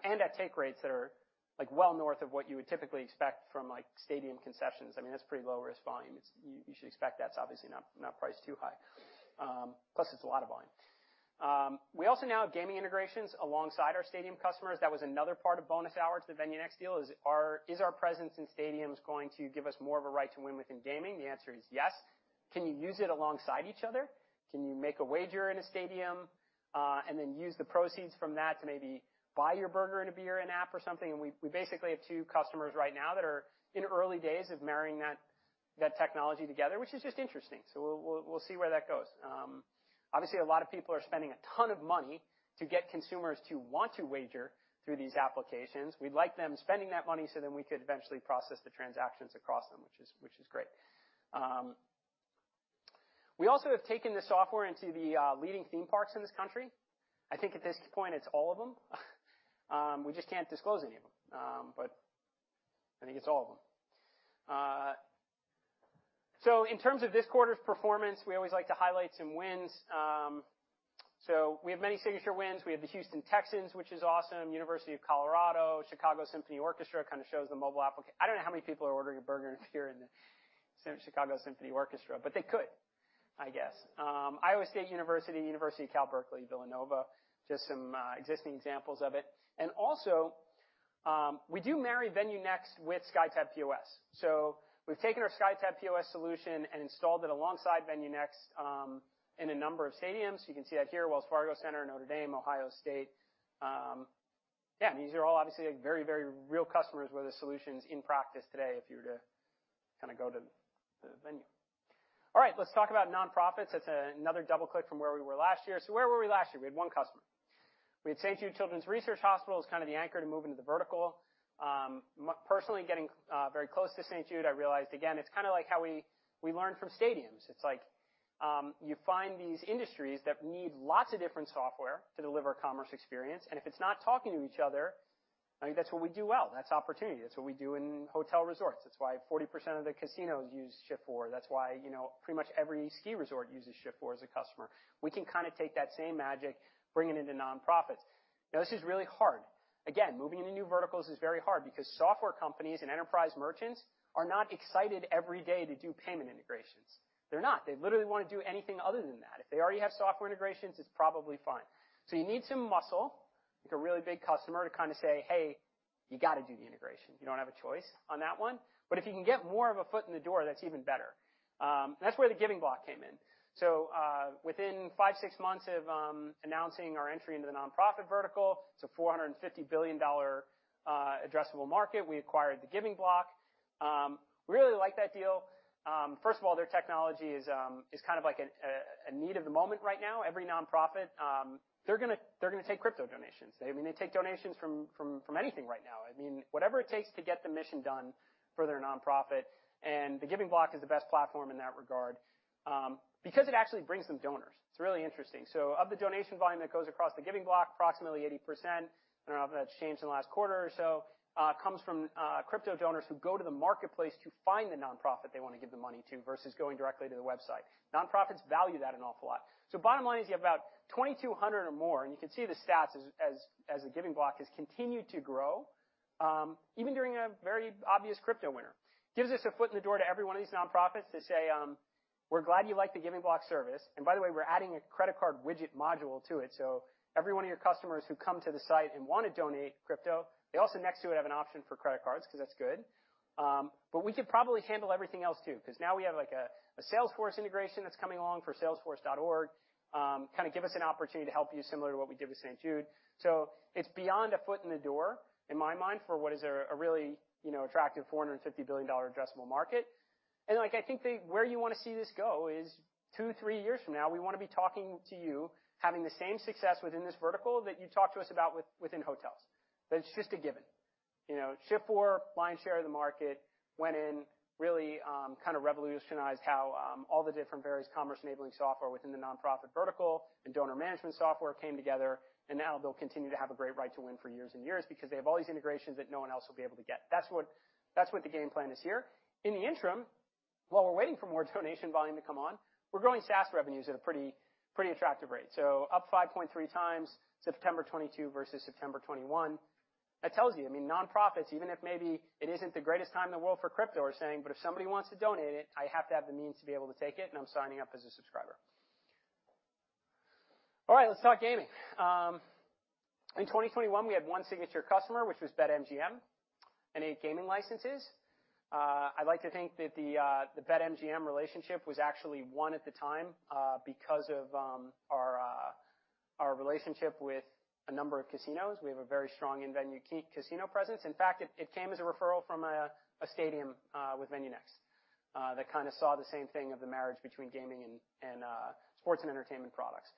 and at take rates that are like well north of what you would typically expect from like stadium concessions. I mean, that's pretty low-risk volume. You should expect that's obviously not priced too high. Plus it's a lot of volume. We also now have gaming integrations alongside our stadium customers. That was another part of the bonus upside to the VenueNext deal, is our presence in stadiums going to give us more of a right to win within gaming? The answer is yes. Can you use it alongside each other? Can you make a wager in a stadium, and then use the proceeds from that to maybe buy your burger and a beer in-app or something? We basically have two customers right now that are in early days of marrying that technology together, which is just interesting. We'll see where that goes. Obviously a lot of people are spending a ton of money to get consumers to want to wager through these applications. We'd like them spending that money so then we could eventually process the transactions across them, which is great. We also have taken the software into the leading theme parks in this country. I think at this point it's all of them. We just can't disclose any of them. I think it's all of them. In terms of this quarter's performance, we always like to highlight some wins. We have many signature wins. We have the Houston Texans, which is awesome. University of Colorado, Chicago Symphony Orchestra kind of shows. I don't know how many people are ordering a burger and a beer in the Chicago Symphony Orchestra, but they could, I guess. Iowa State University of California, Berkeley, Villanova University, just some existing examples of it. We do marry VenueNext with SkyTab POS. We've taken our SkyTab POS solution and installed it alongside VenueNext in a number of stadiums. You can see that here, Wells Fargo Center, University of Notre Dame, The Ohio State University. I mean, these are all obviously very, very real customers where the solution's in practice today if you were to kind of go to the venue. All right. Let's talk about nonprofits. That's another double click from where we were last year. Where were we last year? We had one customer. We had St. Jude Children's Research Hospital as kind of the anchor to move into the vertical. Personally getting very close to St. Jude, I realized again, it's kind of like how we learn from stadiums. It's like you find these industries that need lots of different software to deliver a commerce experience, and if it's not talking to each other, I mean, that's what we do well. That's opportunity. That's what we do in hotel resorts. That's why 40% of the casinos use Shift4. That's why, you know, pretty much every ski resort uses Shift4 as a customer. We can kind of take that same magic, bring it into nonprofits. Now, this is really hard. Again, moving into new verticals is very hard because software companies and enterprise merchants are not excited every day to do payment integrations. They're not. They literally want to do anything other than that. If they already have software integrations, it's probably fine. You need some muscle, like a really big customer, to kind of say, "Hey, you got to do the integration. You don't have a choice on that one." But if you can get more of a foot in the door, that's even better. That's where The Giving Block came in. Within 5-6 months of announcing our entry into the nonprofit vertical, it's a $450 billion addressable market. We acquired The Giving Block. Really like that deal. First of all, their technology is kind of like a need of the moment right now. Every nonprofit, they're gonna take crypto donations. I mean, they take donations from anything right now. I mean, whatever it takes to get the mission done for their nonprofit, and The Giving Block is the best platform in that regard, because it actually brings them donors. It's really interesting. Of the donation volume that goes across The Giving Block, approximately 80%, I don't know if that's changed in the last quarter or so, comes from crypto donors who go to the marketplace to find the nonprofit they want to give the money to versus going directly to the website. Nonprofits value that an awful lot. Bottom line is you have about 2,200 or more, and you can see the stats as The Giving Block has continued to grow, even during a very obvious crypto winter. Gives us a foot in the door to every one of these nonprofits to say, "We're glad you like The Giving Block service, and by the way, we're adding a credit card widget module to it. Every one of your customers who come to the site and want to donate crypto, they also next to it have an option for credit cards because that's good. But we could probably handle everything else too, because now we have like a Salesforce integration that's coming along for Salesforce.org. Kind of give us an opportunity to help you similar to what we did with St. St. Jude. It's beyond a foot in the door, in my mind, for what is a really, you know, attractive $450 billion addressable market. Like I think where you want to see this go is 2-3 years from now, we want to be talking to you having the same success within this vertical that you talked to us about within hotels. That it's just a given. You know, Shift4, lion's share of the market, went in really kind of revolutionized how all the different various commerce-enabling software within the nonprofit vertical and donor management software came together, and now they'll continue to have a great right to win for years and years because they have all these integrations that no one else will be able to get. That's what the game plan is here. In the interim, while we're waiting for more donation volume to come on, we're growing SaaS revenues at a pretty attractive rate. Up 5.3x September 2022 versus September 2021. That tells you, I mean, nonprofits, even if maybe it isn't the greatest time in the world for crypto are saying, "But if somebody wants to donate it, I have to have the means to be able to take it, and I'm signing up as a subscriber." All right, let's talk gaming. In 2021, we had one signature customer, which was BetMGM, and eight gaming licenses. I'd like to think that the BetMGM relationship was actually one at the time because of our relationship with a number of casinos. We have a very strong in-venue casino presence. In fact, it came as a referral from a stadium with VenueNext that kind of saw the same thing of the marriage between gaming and sports and entertainment products.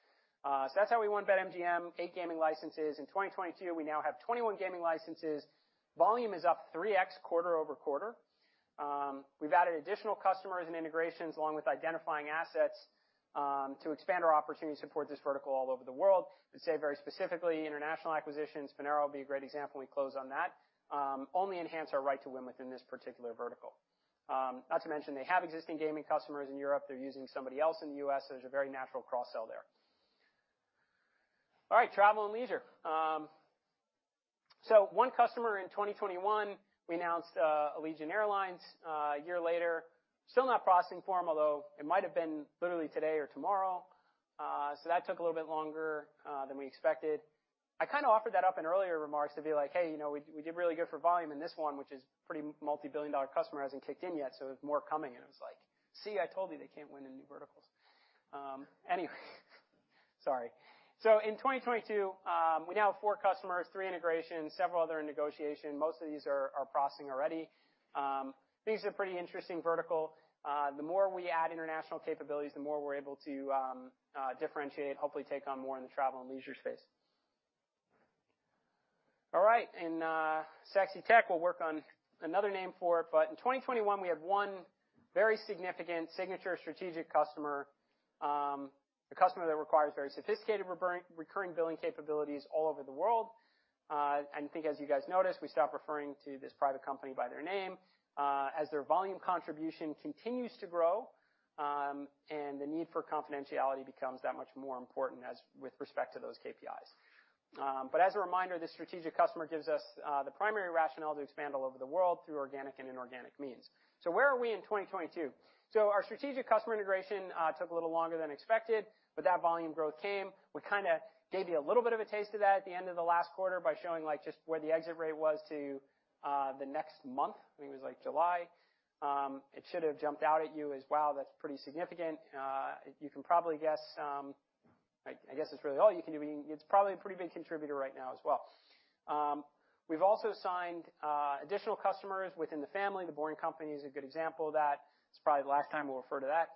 That's how we won BetMGM, eight gaming licenses. In 2022, we now have 21 gaming licenses. Volume is up 3x quarter-over-quarter. We've added additional customers and integrations along with identifying assets to expand our opportunity to support this vertical all over the world. I'd say very specifically, international acquisitions, Finaro will be a great example when we close on that, only enhance our right to win within this particular vertical. Not to mention they have existing gaming customers in Europe. They're using somebody else in the US, so there's a very natural cross-sell there. All right, travel and leisure. One customer in 2021, we announced Allegiant Air. A year later, still not processing for them, although it might've been literally today or tomorrow. That took a little bit longer than we expected. I kind of offered that up in earlier remarks to be like, "Hey, you know, we did really good for volume in this one, which is pretty multi-billion dollar customer hasn't kicked in yet, so more coming." It was like, "See? I told you they can't win in new verticals." Anyway, sorry. In 2022, we now have four customers, three integrations, several other in negotiation. Most of these are processing already. These are pretty interesting vertical. The more we add international capabilities, the more we're able to differentiate, hopefully take on more in the travel and leisure space. All right. Sexy Tech, we'll work on another name for it, but in 2021, we had one very significant signature strategic customer, a customer that requires very sophisticated recurring billing capabilities all over the world. I think as you guys noticed, we stopped referring to this private company by their name, as their volume contribution continues to grow, and the need for confidentiality becomes that much more important as with respect to those KPIs. As a reminder, this strategic customer gives us the primary rationale to expand all over the world through organic and inorganic means. Where are we in 2022? Our strategic customer integration took a little longer than expected, but that volume growth came. We kind of gave you a little bit of a taste of that at the end of the last quarter by showing, like, just where the exit rate was to the next month. I think it was like July. It should have jumped out at you as, wow, that's pretty significant. You can probably guess, I guess it's really all you can do. I mean, it's probably a pretty big contributor right now as well. We've also signed additional customers within the family. The Boring Company is a good example of that. It's probably the last time we'll refer to that,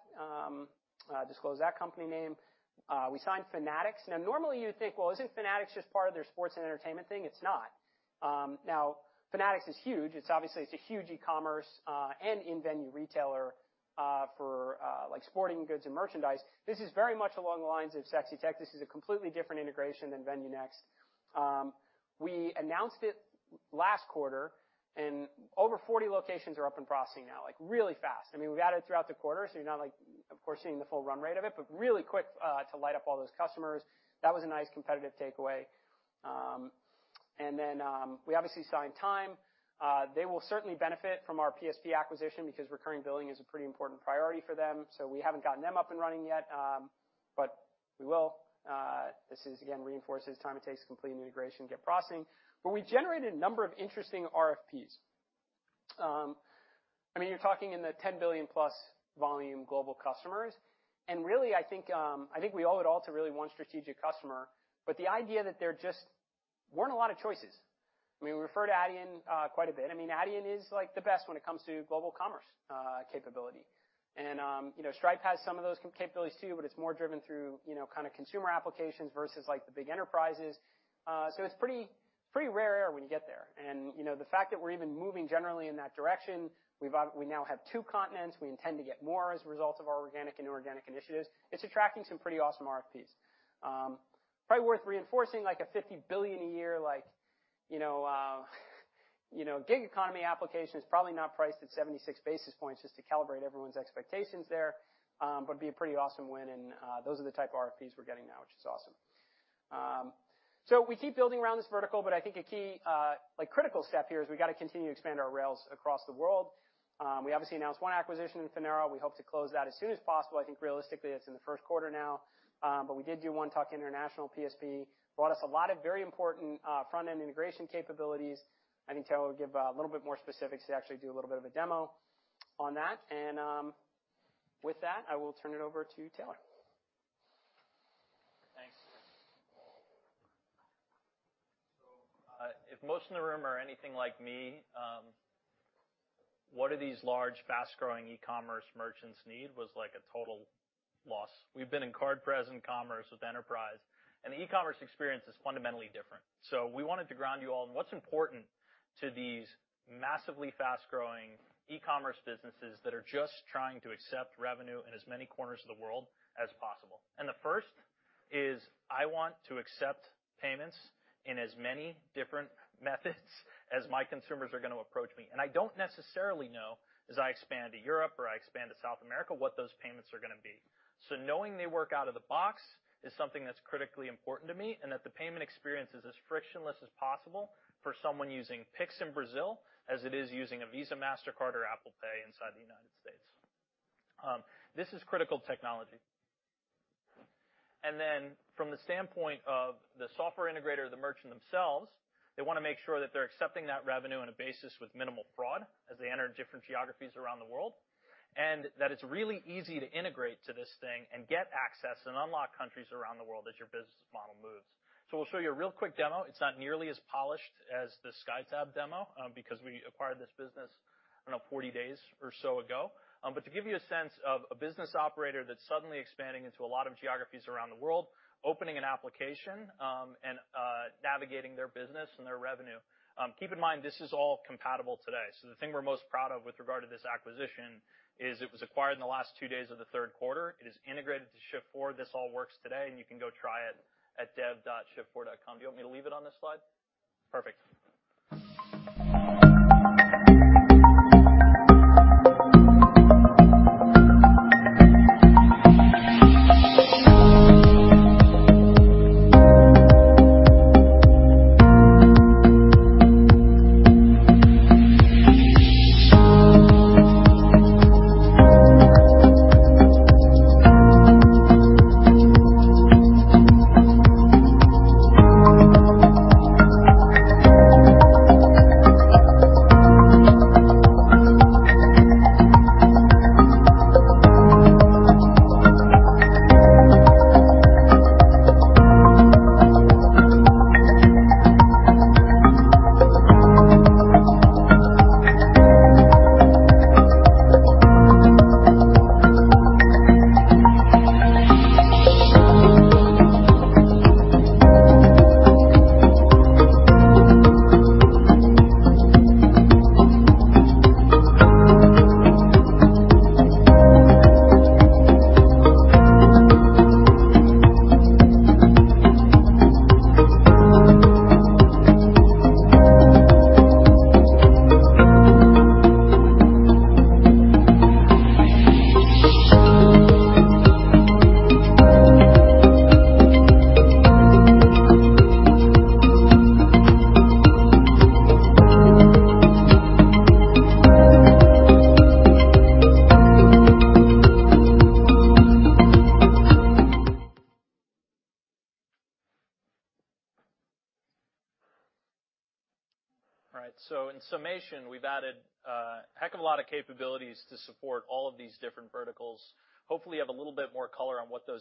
disclose that company name. We signed Fanatics. Now, normally, you would think, well, isn't Fanatics just part of their sports and entertainment thing? It's not. Now Fanatics is huge. It's obviously a huge e-commerce and in-venue retailer for like sporting goods and merchandise. This is very much along the lines of Sexy Tech. This is a completely different integration than VenueNext. We announced it last quarter, and over 40 locations are up and processing now, like really fast. I mean, we've added throughout the quarter, so you're not like, of course, seeing the full run rate of it, but really quick to light up all those customers. That was a nice competitive takeaway. We obviously signed Time. They will certainly benefit from our PSP acquisition because recurring billing is a pretty important priority for them, so we haven't gotten them up and running yet, but we will. This is again reinforces time it takes to complete an integration, get processing. We generated a number of interesting RFPs. I mean, you're talking in the $10 billion+ volume global customers, and really, I think we owe it all to really one strategic customer, but the idea that there just weren't a lot of choices. I mean, we refer to Adyen quite a bit. I mean, Adyen is like the best when it comes to global commerce capability. You know, the fact that we're even moving generally in that direction, we now have two continents. We intend to get more as a result of our organic and inorganic initiatives. It's attracting some pretty awesome RFPs. Probably worth reinforcing like a $50 billion a year, like, you know, you know, gig economy application is probably not priced at 76 basis points just to calibrate everyone's expectations there, but it'd be a pretty awesome win, and, those are the type of RFPs we're getting now, which is awesome. We keep building around this vertical, but I think a key, like critical step here is we gotta continue to expand our rails across the world. We obviously announced one acquisition in Finaro. We hope to close that as soon as possible. I think realistically it's in the first quarter now. We did do one tuck-in international PSP, brought us a lot of very important, front-end integration capabilities. I think Taylor will give a little bit more specifics. He'll actually do a little bit of a demo on that. With that, I will turn it over to Taylor. If most in the room are anything like me, what do these large, fast-growing e-commerce merchants need was like a total loss. We've been in card-present commerce with Enterprise, and the e-commerce experience is fundamentally different. We wanted to ground you all in what's important to these massively fast-growing e-commerce businesses that are just trying to accept revenue in as many corners of the world as possible. The first is I want to accept payments in as many different methods as my consumers are gonna approach me. I don't necessarily know, as I expand to Europe or I expand to South America, what those payments are gonna be. Knowing they work out of the box is something that's critically important to me, and that the payment experience is as frictionless as possible for someone using Pix in Brazil as it is using a Visa, Mastercard, or Apple Pay inside the United States. This is critical technology. From the standpoint of the software integrator or the merchant themselves, they wanna make sure that they're accepting that revenue on a basis with minimal fraud as they enter different geographies around the world, and that it's really easy to integrate to this thing and get access and unlock countries around the world as your business model moves. We'll show you a real quick demo. It's not nearly as polished as the SkyTab demo, because we acquired this business, I don't know, 40 days or so ago. To give you a sense of a business operator that's suddenly expanding into a lot of geographies around the world, opening an application, and navigating their business and their revenue. Keep in mind, this is all compatible today. The thing we're most proud of with regard to this acquisition is it was acquired in the last two days of the third quarter. It is integrated to Shift4. This all works today, and you can go try it at dev.shift4.com. Do you want me to leave it on this slide? Perfect.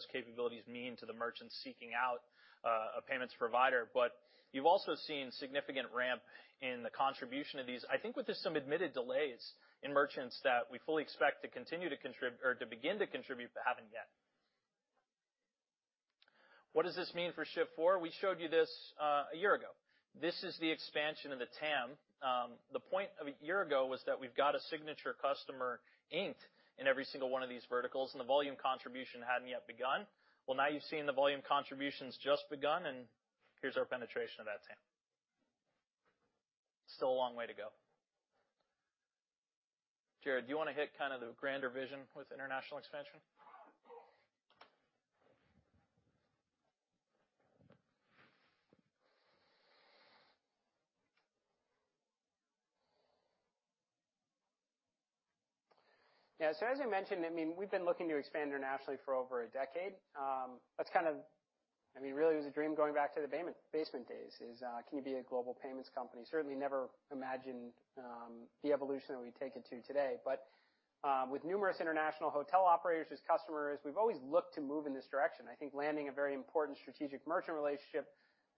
All right, in summation, we've added a heck of a lot of capabilities to support all of these different verticals. Hopefully, you have a little bit more color on what those capabilities mean to the merchants seeking out, a payments provider. You've also seen significant ramp in the contribution of these. I think with just some admitted delays in merchants that we fully expect to continue to contribute or to begin to contribute but haven't yet. What does this mean for Shift4? We showed you this a year ago. This is the expansion of the TAM. The point of a year ago was that we've got a signature customer inked in every single one of these verticals, and the volume contribution hadn't yet begun. Well, now you've seen the volume contribution's just begun, and here's our penetration of that TAM. Still a long way to go. Jared, do you wanna hit kind of the grander vision with international expansion? Yeah. As I mentioned, I mean, we've been looking to expand internationally for over a decade. Really it was a dream going back to the basement days, can you be a global payments company? Certainly never imagined the evolution that we've taken to today. With numerous international hotel operators as customers, we've always looked to move in this direction. I think landing a very important strategic merchant relationship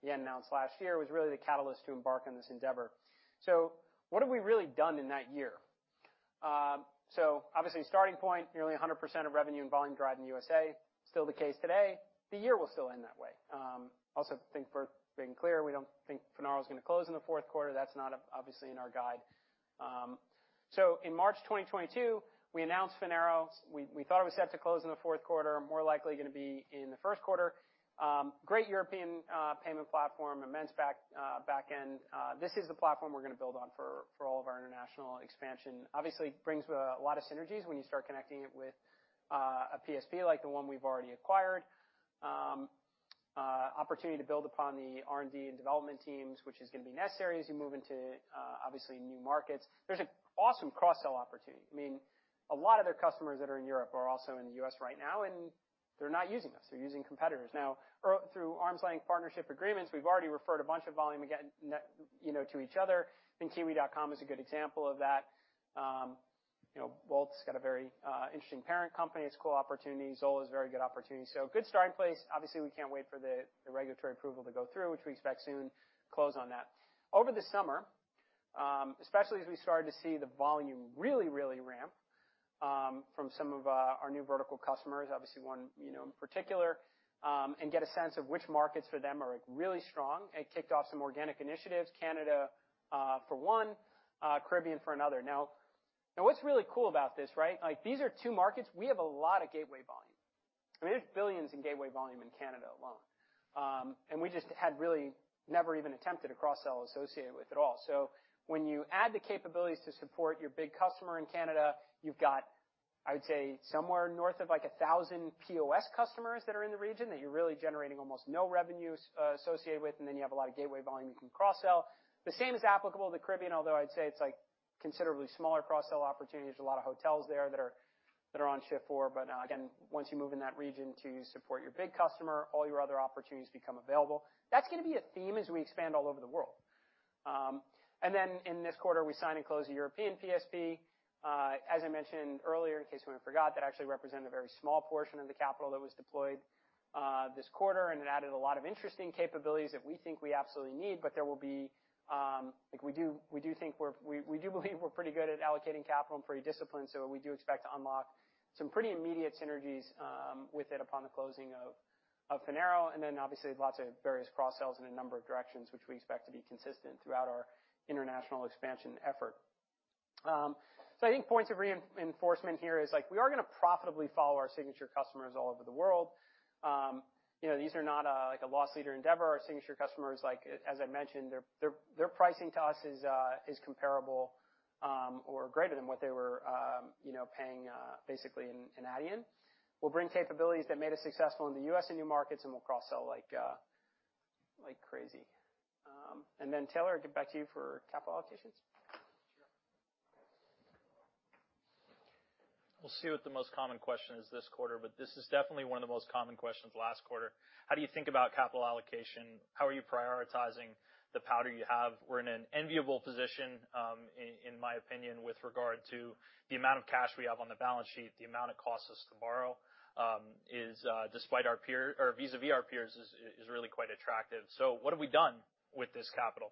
we announced last year was really the catalyst to embark on this endeavor. What have we really done in that year? Obviously, starting point, nearly 100% of revenue and volume driven in the USA, still the case today. The year will still end that way. We also think we're being clear, we don't think Finaro is gonna close in the fourth quarter. That's not obviously in our guide. In March 2022, we announced Finaro. We thought it was set to close in the fourth quarter, more likely gonna be in the first quarter. Great European payment platform, immense backend. This is the platform we're gonna build on for all of our international expansion. Obviously, it brings a lot of synergies when you start connecting it with a PSP like the one we've already acquired. Opportunity to build upon the R&D and development teams, which is gonna be necessary as you move into obviously new markets. There's an awesome cross-sell opportunity. I mean, a lot of their customers that are in Europe are also in the US right now, and they're not using us. They're using competitors. Now, through arm's length partnership agreements, we've already referred a bunch of volume again, you know, to each other. I think Kiwi.com is a good example of that. You know, Wolt's got a very interesting parent company. It's cool opportunity. Zola is a very good opportunity. So good starting place. Obviously, we can't wait for the regulatory approval to go through, which we expect soon, close on that. Over the summer, especially as we started to see the volume really, really ramp from some of our new vertical customers, obviously one, you know, in particular, and get a sense of which markets for them are, like, really strong and kicked off some organic initiatives, Canada for one, Caribbean for another. Now, what's really cool about this, right? Like, these are two markets we have a lot of gateway volume. I mean, there's billions in gateway volume in Canada alone. We just had really never even attempted a cross-sell associated with it at all. When you add the capabilities to support your big customer in Canada, you've got, I would say, somewhere north of, like, 1,000 POS customers that are in the region that you're really generating almost no revenues associated with, and then you have a lot of gateway volume you can cross-sell. The same is applicable to the Caribbean, although I'd say it's, like, considerably smaller cross-sell opportunities. There's a lot of hotels there that are on Shift4, but again, once you move in that region to support your big customer, all your other opportunities become available. That's gonna be a theme as we expand all over the world. In this quarter, we signed and closed a European PSP. As I mentioned earlier, in case anyone forgot, that actually represented a very small portion of the capital that was deployed this quarter, and it added a lot of interesting capabilities that we think we absolutely need, but there will be, like we do think we're pretty good at allocating capital and pretty disciplined, so we do expect to unlock some pretty immediate synergies with it upon the closing of Finaro, and then obviously lots of various cross-sells in a number of directions, which we expect to be consistent throughout our international expansion effort. I think points of reinforcement here is, like, we are gonna profitably follow our signature customers all over the world. You know, these are not like a loss leader endeavor. Our signature customers, like, as I mentioned, their pricing to us is comparable or greater than what they were, you know, paying basically in Adyen. We'll bring capabilities that made us successful in the U.S. and new markets, and we'll cross-sell like crazy. Taylor get back to you for capital allocations. Sure. We'll see what the most common question is this quarter. This is definitely one of the most common questions last quarter. How do you think about capital allocation? How are you prioritizing the powder you have? We're in an enviable position, in my opinion, with regard to the amount of cash we have on the balance sheet. The amount it costs us to borrow is, despite our peer or vis-à-vis our peers, really quite attractive. What have we done with this capital?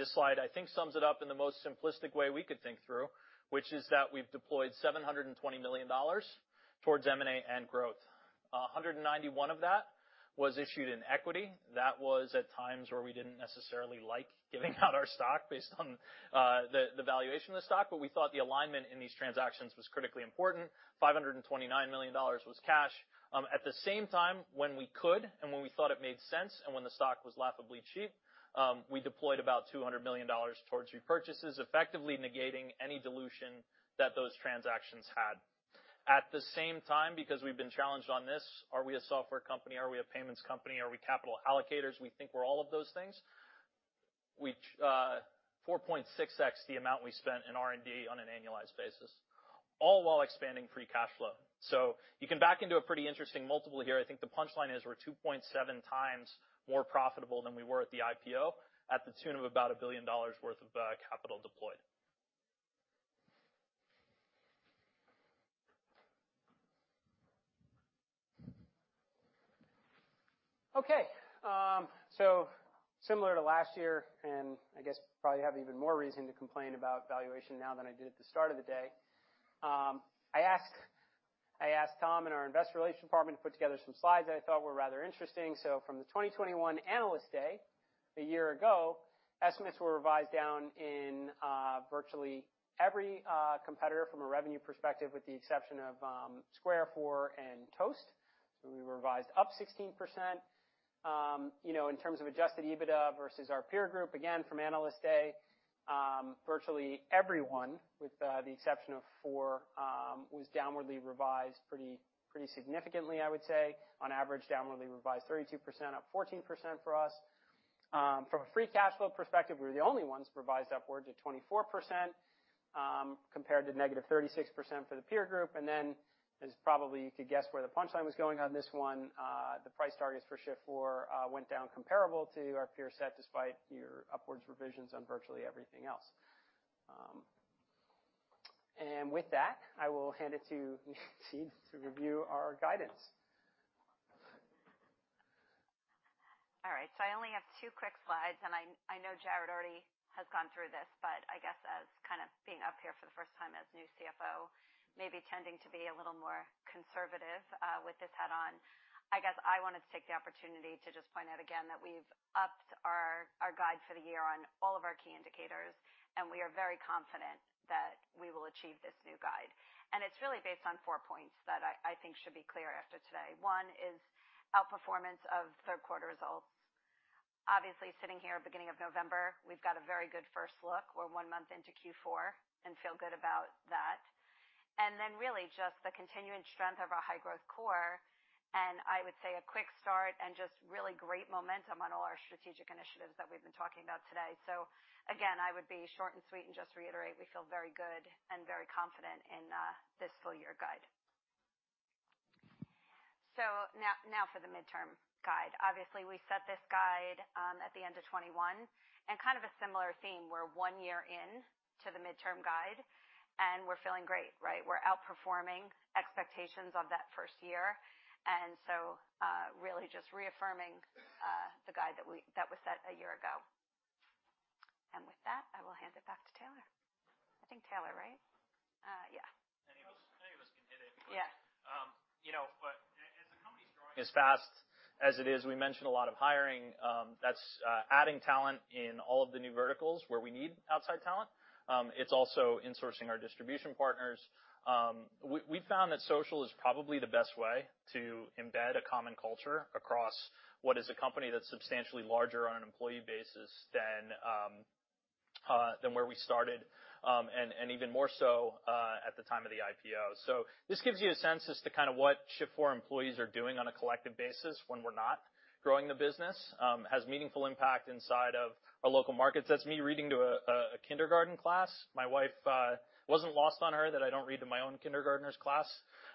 This slide I think sums it up in the most simplistic way we could think through, which is that we've deployed $720 million towards M&A and growth. 191 of that was issued in equity. That was at times where we didn't necessarily like giving out our stock based on the valuation of the stock, but we thought the alignment in these transactions was critically important. $529 million was cash. At the same time, when we could and when we thought it made sense and when the stock was laughably cheap, we deployed about $200 million towards repurchases, effectively negating any dilution that those transactions had. At the same time, because we've been challenged on this, are we a software company? Are we a payments company? Are we capital allocators? We think we're all of those things. We 4.6x the amount we spent in R&D on an annualized basis, all while expanding free cash flow. You can back into a pretty interesting multiple here. I think the punchline is we're 2.7x more profitable than we were at the IPO at the tune of about $1 billion worth of capital deployed. Okay. Similar to last year, and I guess probably have even more reason to complain about valuation now than I did at the start of the day, I asked Tom and our investor relations department to put together some slides that I thought were rather interesting. From the 2021 Analyst Day a year ago, estimates were revised down in virtually every competitor from a revenue perspective with the exception of Square, Four, and Toast. We revised up 16%. You know, in terms of adjusted EBITDA versus our peer group, again, from Analyst Day, virtually everyone with the exception of Four was downwardly revised pretty significantly, I would say. On average, downwardly revised 32%, up 14% for us. From a free cash flow perspective, we're the only ones revised upwards at 24%, compared to -36% for the peer group. Then as probably you could guess where the punchline was going on this one, the price targets for Shift4 went down comparable to our peer set despite your upwards revisions on virtually everything else. With that, I will hand it to Nancy Disman to review our guidance. All right, I only have two quick slides, and I know Jared already has gone through this, but I guess as kind of being up here for the first time as new CFO, maybe tending to be a little more conservative with this hat on, I guess I wanted to take the opportunity to just point out again that we've upped our guide for the year on all of our key indicators, and we are very confident that we will achieve this new guide. It's really based on four points that I think should be clear after today. One is outperformance of third quarter results. Obviously, sitting here beginning of November, we've got a very good first look. We're one month into Q4 and feel good about that. Then really just the continuing strength of our high-growth core, and I would say a quick start and just really great momentum on all our strategic initiatives that we've been talking about today. Again, I would be short and sweet and just reiterate we feel very good and very confident in this full year guide. Now for the midterm guide. Obviously, we set this guide at the end of 2021, and kind of a similar theme. We're one year in to the midterm guide, and we're feeling great, right? We're outperforming expectations of that first year, and really just reaffirming the guide that was set a year ago. With that, I will hand it back to Taylor. I think Taylor, right? Yeah. Any of us can hit it because. Yeah. You know, as the company's growing as fast as it is, we mentioned a lot of hiring, that's adding talent in all of the new verticals where we need outside talent. It's also insourcing our distribution partners. We found that social is probably the best way to embed a common culture across what is a company that's substantially larger on an employee basis than where we started, and even more so at the time of the IPO. This gives you a sense as to kind of what Shift4 employees are doing on a collective basis when we're not growing the business, has meaningful impact inside of our local markets. That's me reading to a kindergarten class. My wife... It wasn't lost on her that I don't read to my own kindergartner's class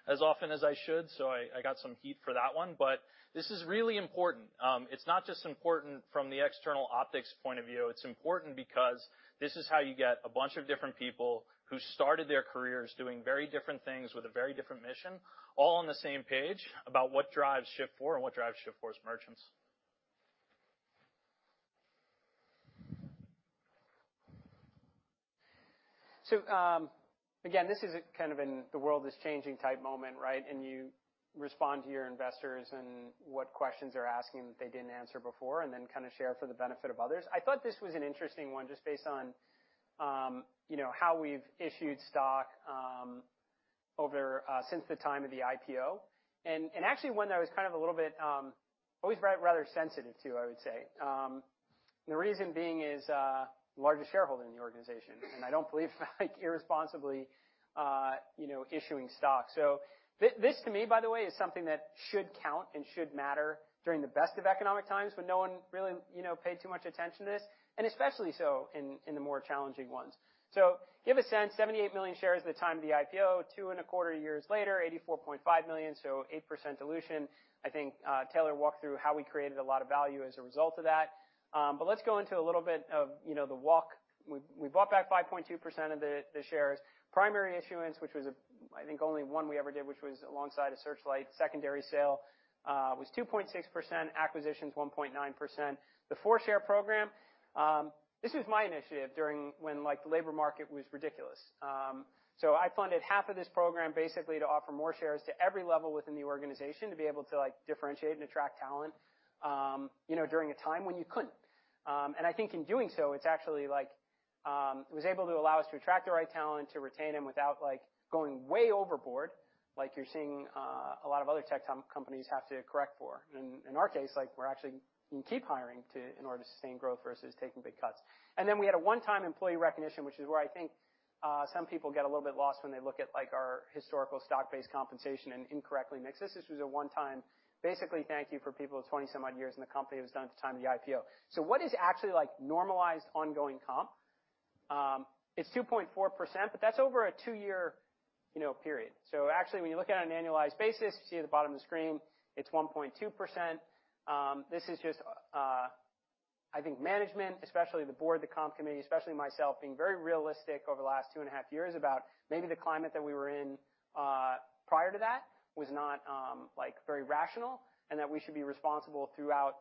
as often as I should, so I got some heat for that one. This is really important. It's not just important from the external optics point of view, it's important because this is how you get a bunch of different people who started their careers doing very different things with a very different mission, all on the same page about what drives Shift4 and what drives Shift4's merchants. Again, this is kind of in the world is changing type moment, right? You respond to your investors and what questions they're asking that they didn't answer before, and then kind of share for the benefit of others. I thought this was an interesting one just based on you know how we've issued stock over since the time of the IPO. Actually one that I was kind of a little bit always rather sensitive to I would say. The reason being is largest shareholder in the organization and I don't believe like irresponsibly you know issuing stock. This to me by the way is something that should count and should matter during the best of economic times when no one really you know paid too much attention to this and especially so in the more challenging ones. To give a sense 78 million shares at the time of the IPO 2.25 years later 84.5 million so 8% dilution. I think, Taylor walked through how we created a lot of value as a result of that. Let's go into a little bit of, you know, the walk. We bought back 5.2% of the shares. Primary issuance, which was, I think, only one we ever did, which was alongside a Searchlight secondary sale, was 2.6%. Acquisitions, 1.9%. The four share program, this was my initiative during when, like, the labor market was ridiculous. I funded half of this program basically to offer more shares to every level within the organization to be able to, like, differentiate and attract talent, you know, during a time when you couldn't. I think in doing so, it's actually like, it was able to allow us to attract the right talent, to retain them without, like, going way overboard, like you're seeing a lot of other tech companies have to correct for. In our case, like, we're actually can keep hiring to, in order to sustain growth versus taking big cuts. Then we had a one-time employee recognition, which is where I think some people get a little bit lost when they look at, like, our historical stock-based compensation and incorrectly mix this. This was a one-time, basically thank you for people with 20 some odd years in the company. It was done at the time of the IPO. What is actually, like, normalized ongoing comp? It's 2.4%, but that's over a two-year, you know, period. Actually, when you look at it on an annualized basis, you see at the bottom of the screen, it's 1.2%. This is just, I think management, especially the board, the comp committee, especially myself, being very realistic over the last two and a half years about maybe the climate that we were in prior to that was not, like, very rational, and that we should be responsible throughout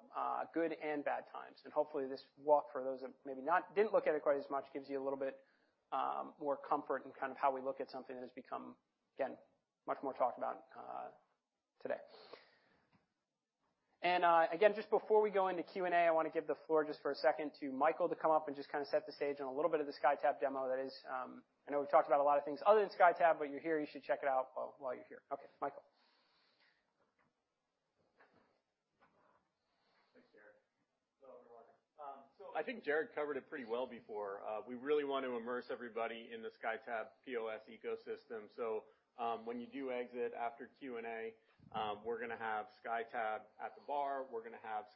good and bad times. Hopefully, this walk, for those that didn't look at it quite as much, gives you a little bit more comfort in kind of how we look at something that has become, again, much more talked about today. Again, just before we go into Q&A, I wanna give the floor just for a second to Michael to come up and just kind of set the stage on a little bit of the SkyTab demo that is, I know we've talked about a lot of things other than SkyTab, but you're here, you should check it out while you're here. Okay, Michael. Thanks, Jared. Hello, everyone. So I think Jared covered it pretty well before. We really want to immerse everybody in the SkyTab POS ecosystem. So, when you do exit after Q&A, we're gonna have SkyTab at the bar, we're gonna have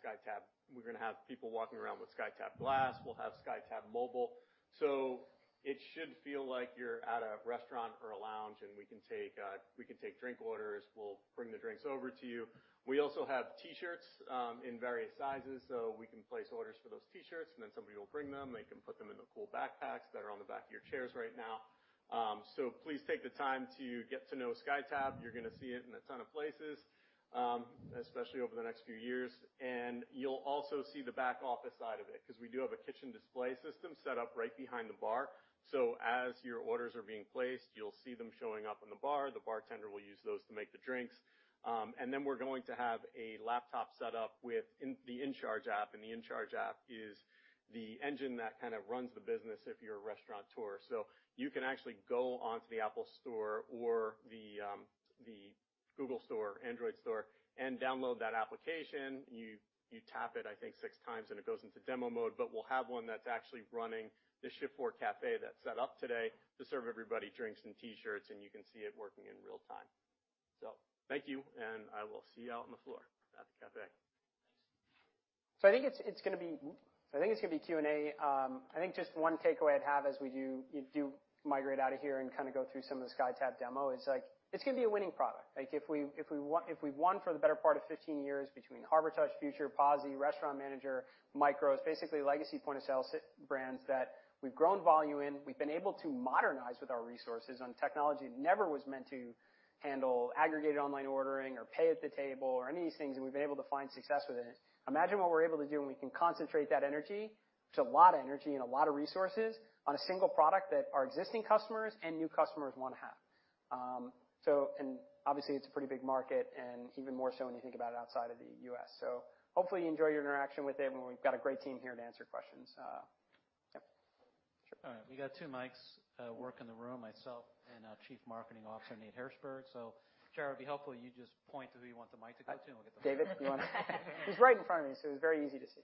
people walking around with SkyTab Glass, we'll have SkyTab Mobile. So it should feel like you're at a restaurant or a lounge, and we can take drink orders. We'll bring the drinks over to you. We also have T-shirts in various sizes, so we can place orders for those T-shirts, and then somebody will bring them, and you can put them in the cool backpacks that are on the back of your chairs right now. Please take the time to get to know SkyTab. You're gonna see it in a ton of places, especially over the next few years. You'll also see the back office side of it 'cause we do have a kitchen display system set up right behind the bar. As your orders are being placed, you'll see them showing up in the bar. The bartender will use those to make the drinks. We're going to have a laptop set up with the InCharge app, and the InCharge app is the engine that kind of runs the business if you're a restaurateur. You can actually go onto the App Store or the Google Play Store and download that application. You tap it, I think, 6x, and it goes into demo mode. But we'll have one that's actually running the Shift4 cafe that's set up today to serve everybody drinks and T-shirts, and you can see it working in real time. Thank you, and I will see you out on the floor at the cafe. I think it's gonna be Q&A. I think just one takeaway I'd have as we do migrate out of here and kind of go through some of the SkyTab demo is, like, it's gonna be a winning product. Like, if we've won for the better part of 15 years between Harbortouch, Future, POSitouch, Restaurant Manager, Micros, basically legacy point-of-sale brands that we've grown volume in, we've been able to modernize with our resources on technology that never was meant to handle aggregated online ordering or pay at the table or any of these things, and we've been able to find success with it. Imagine what we're able to do when we can concentrate that energy, it's a lot of energy and a lot of resources, on a single product that our existing customers and new customers wanna have. Obviously it's a pretty big market and even more so when you think about it outside of the US. Hopefully you enjoy your interaction with it, and we've got a great team here to answer questions. Yep. All right, we got two mics working the room, myself and our Chief Marketing Officer, Nate Hirshberg. So Jared, it'd be helpful if you just point to who you want the mic to go to, and we'll get the- David, do you want it? He's right in front of me, so he's very easy to see.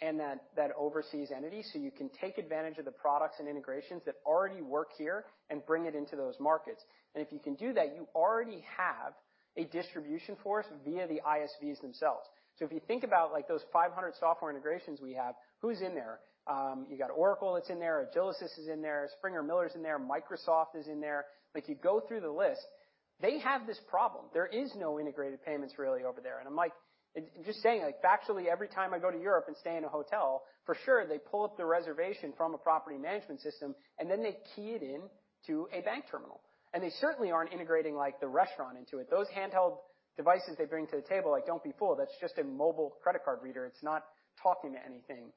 and that overseas entity, so you can take advantage of the products and integrations that already work here and bring it into those markets. If you can do that, you already have a distribution force via the ISVs themselves. So if you think about, like, those 500 software integrations we have, who's in there? You got Oracle that's in there. Agilysys is in there. Springer-Miller is in there. Microsoft is in there. Like, you go through the list, they have this problem. There is no integrated payments really over there. I'm like. Just saying, like, factually, every time I go to Europe and stay in a hotel, for sure they pull up the reservation from a property management system, and then they key it in to a bank terminal, and they certainly aren't integrating, like, the restaurant into it. Those handheld devices they bring to the table, like, don't be fooled. That's just a mobile credit card reader. It's not talking to anything.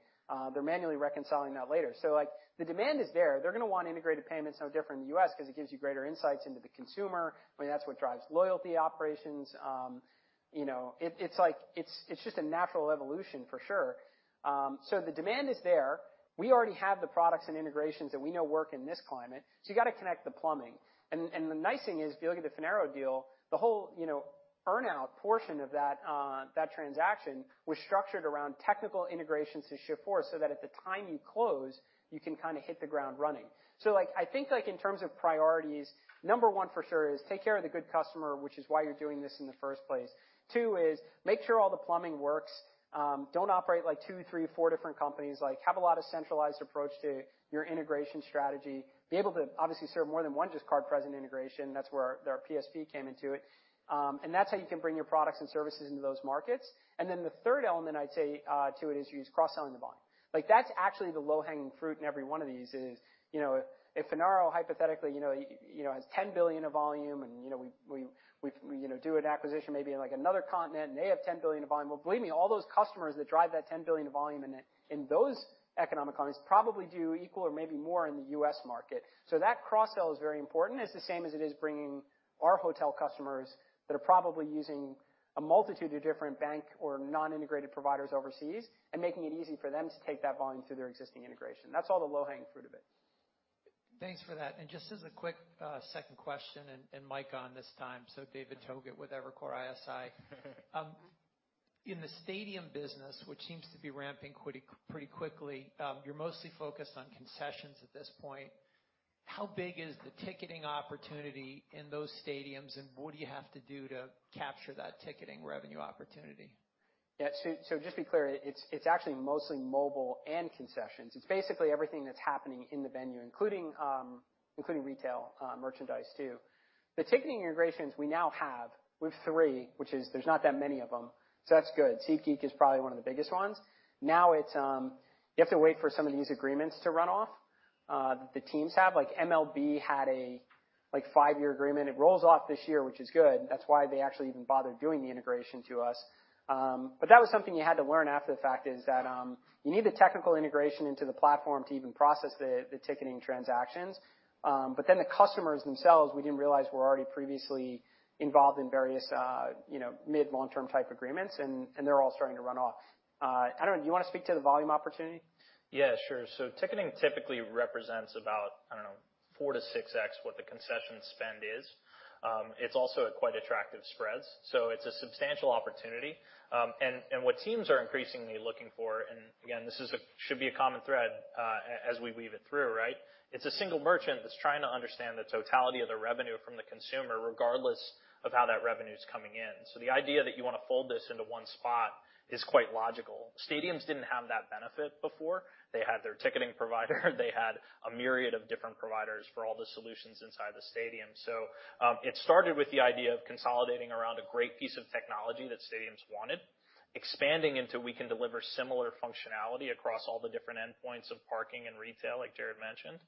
They're manually reconciling that later. Like, the demand is there. They're gonna want integrated payments, no different than U.S., 'cause it gives you greater insights into the consumer. I mean, that's what drives loyalty operations. You know, it's just a natural evolution for sure. The demand is there. We already have the products and integrations that we know work in this climate, so you gotta connect the plumbing. The nice thing is, if you look at the Finaro deal, the whole, you know, earn out portion of that transaction was structured around technical integrations to Shift4, so that at the time you close, you can kind of hit the ground running. Like, I think, like, in terms of priorities, number one for sure is take care of the good customer, which is why you're doing this in the first place. Two is make sure all the plumbing works. Don't operate like two, three, four different companies. Like, have a lot of centralized approach to your integration strategy. Be able to obviously serve more than one just card-present integration. That's where our PSP came into it. That's how you can bring your products and services into those markets. The third element I'd say to it is use cross-selling the volume. Like, that's actually the low-hanging fruit in every one of these is, you know, if Finaro hypothetically, you know, has $10 billion of volume, and, you know, we do an acquisition maybe in like another continent, and they have $10 billion of volume. Well, believe me, all those customers that drive that $10 billion of volume in it, in those economic climates probably do equal or maybe more in the U.S. market. That cross-sell is very important. It's the same as it is bringing our hotel customers that are probably using a multitude of different bank or non-integrated providers overseas and making it easy for them to take that volume through their existing integration. That's all the low-hanging fruit of it. Thanks for that. Just as a quick second question, and mic on this time. David Togut with Evercore ISI. In the stadium business, which seems to be ramping pretty quickly, you're mostly focused on concessions at this point. How big is the ticketing opportunity in those stadiums, and what do you have to do to capture that ticketing revenue opportunity? Yeah. Just to be clear, it's actually mostly mobile and concessions. It's basically everything that's happening in the venue, including retail, merchandise too. The ticketing integrations we now have. We have three, which there's not that many of them, so that's good. SeatGeek is probably one of the biggest ones. Now you have to wait for some of these agreements to run off, the teams have. Like MLB had a five-year agreement. It rolls off this year, which is good. That's why they actually even bothered doing the integration to us. That was something you had to learn after the fact is that you need the technical integration into the platform to even process the ticketing transactions. The customers themselves, we didn't realize were already previously involved in various, you know, mid, long-term type agreements, and they're all starting to run off. I don't know, do you wanna speak to the volume opportunity? Yeah, sure. Ticketing typically represents about, I don't know, 4x-6x what the concession spend is. It's also at quite attractive spreads, so it's a substantial opportunity. What teams are increasingly looking for, and again, this is a common thread as we weave it through, right? It's a single merchant that's trying to understand the totality of the revenue from the consumer, regardless of how that revenue's coming in. The idea that you wanna fold this into one spot is quite logical. Stadiums didn't have that benefit before. They had their ticketing provider, they had a myriad of different providers for all the solutions inside the stadium. It started with the idea of consolidating around a great piece of technology that stadiums wanted, expanding into we can deliver similar functionality across all the different endpoints of parking and retail, like Jared mentioned.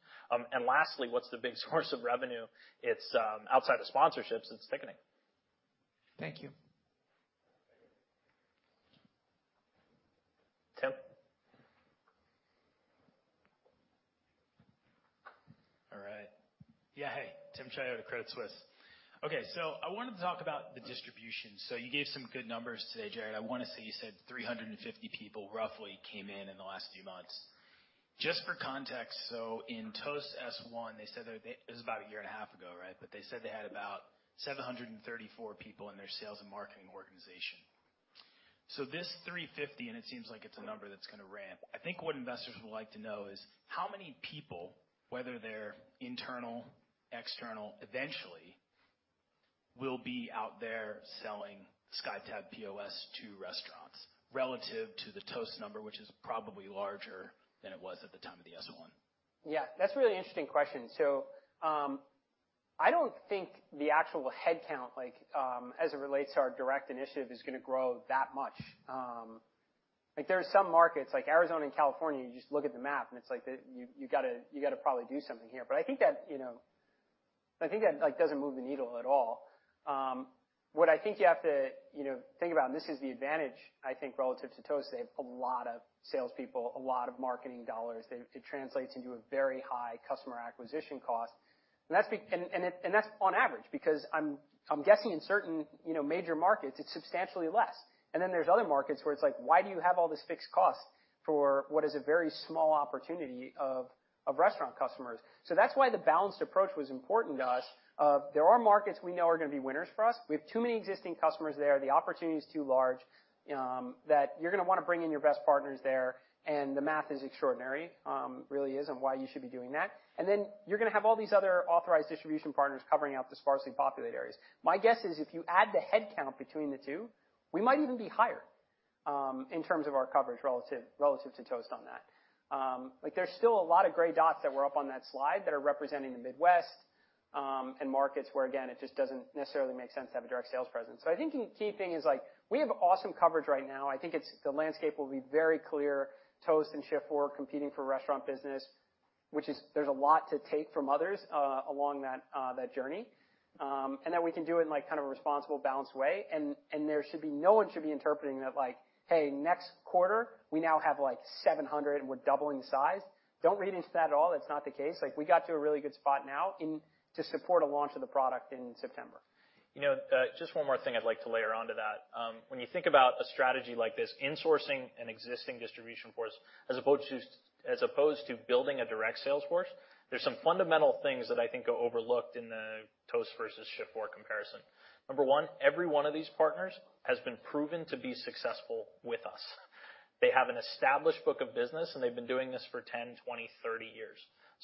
Lastly, what's the big source of revenue? It's outside of sponsorships. It's ticketing. Thank you. Tim. All right. Yeah. Hey, Timothy Chiodo, Credit Suisse. Okay, I wanted to talk about the distribution. You gave some good numbers today, Jared. I wanna say you said 350 people roughly came in the last few months. Just for context, in Toast S-1, they said that this is about a year and a half ago, right? They said they had about 734 people in their sales and marketing organization. This 350, and it seems like it's a number that's gonna ramp. I think what investors would like to know is how many people, whether they're internal, external, eventually, will be out there selling SkyTab POS to restaurants relative to the Toast number, which is probably larger than it was at the time of the S-1. Yeah, that's a really interesting question. I don't think the actual headcount, like, as it relates to our direct initiative, is gonna grow that much. Like, there are some markets like Arizona and California. You just look at the map and it's like, you gotta probably do something here. I think that, you know, like, doesn't move the needle at all. What I think you have to, you know, think about, and this is the advantage, I think, relative to Toast. They have a lot of salespeople, a lot of marketing dollars. It translates into a very high customer acquisition cost. That's on average, because I'm guessing in certain, you know, major markets, it's substantially less. There's other markets where it's like, why do you have all this fixed cost for what is a very small opportunity of restaurant customers? So that's why the balanced approach was important to us. There are markets we know are gonna be winners for us. We have too many existing customers there. The opportunity is too large that you're gonna wanna bring in your best partners there, and the math is extraordinary really is on why you should be doing that. You're gonna have all these other authorized distribution partners covering out the sparsely populated areas. My guess is if you add the headcount between the two, we might even be higher in terms of our coverage relative to Toast on that. Like, there's still a lot of gray dots that were up on that slide that are representing the Midwest, and markets where, again, it just doesn't necessarily make sense to have a direct sales presence. I think the key thing is, like, we have awesome coverage right now. I think the landscape will be very clear. Toast and Shift4 competing for restaurant business, which is there's a lot to take from others, along that journey. That we can do it in, like, kind of a responsible, balanced way. There should be no one should be interpreting that like, "Hey, next quarter, we now have, like, 700 and we're doubling the size." Don't read into that at all. That's not the case. Like, we got to a really good spot now to support a launch of the product in September. You know, just one more thing I'd like to layer onto that. When you think about a strategy like this, insourcing an existing distribution force as opposed to building a direct sales force, there's some fundamental things that I think are overlooked in the Toast versus Shift4 comparison. Number one, every one of these partners has been proven to be successful with us. They have an established book of business, and they've been doing this for 10, 20, 30 years.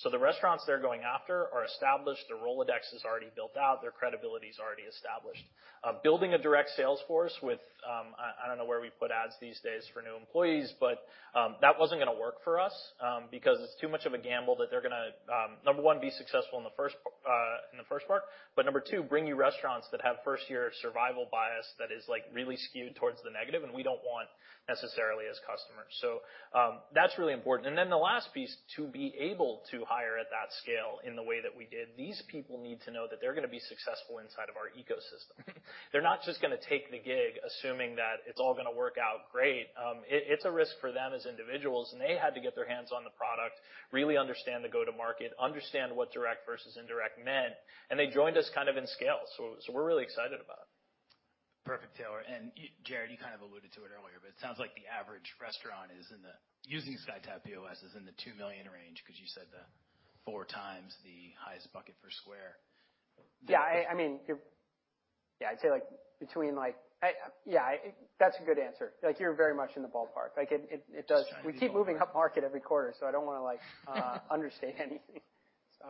The restaurants they're going after are established, their Rolodex is already built out, their credibility is already established. Building a direct sales force with... I don't know where we put ads these days for new employees, but that wasn't gonna work for us, because it's too much of a gamble that they're gonna number one, be successful in the first part, but number two, bring you restaurants that have first-year survival bias that is like really skewed towards the negative, and we don't want necessarily as customers. So that's really important. Then the last piece, to be able to hire at that scale in the way that we did, these people need to know that they're gonna be successful inside of our ecosystem. They're not just gonna take the gig, assuming that it's all gonna work out great. It's a risk for them as individuals, and they had to get their hands on the product, really understand the go-to-market, understand what direct versus indirect meant, and they joined us kind of in scale. We're really excited about it. Perfect, Taylor. Jared, you kind of alluded to it earlier, but it sounds like the average restaurant using SkyTab POS is in the $2 million range 'cause you said 4x the highest bucket for Square. Yeah, I'd say like, between like yeah. That's a good answer. Like, you're very much in the ballpark. Like, it does. Just trying to be helpful. We keep moving upmarket every quarter, so I don't wanna, like, understate anything.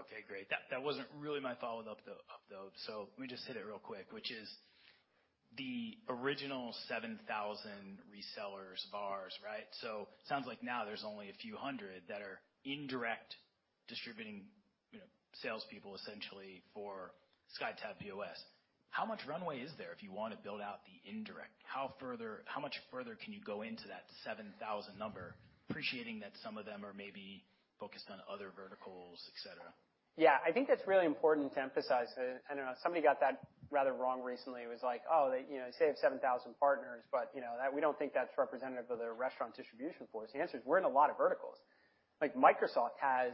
Okay, great. That wasn't really my follow-up, though. Let me just hit it real quick, which is the original 7,000 resellers, bars, right? Sounds like now there's only a few hundred that are indirect distributing, you know, salespeople, essentially for SkyTab POS. How much runway is there if you wanna build out the indirect? How much further can you go into that 7,000 number, appreciating that some of them are maybe focused on other verticals, et cetera? Yeah. I think that's really important to emphasize. I don't know. Somebody got that rather wrong recently, was like, "Oh, they, you know, say you have 7,000 partners, but, you know, that, we don't think that's representative of the restaurant distribution for us." The answer is we're in a lot of verticals. Like, Microsoft has,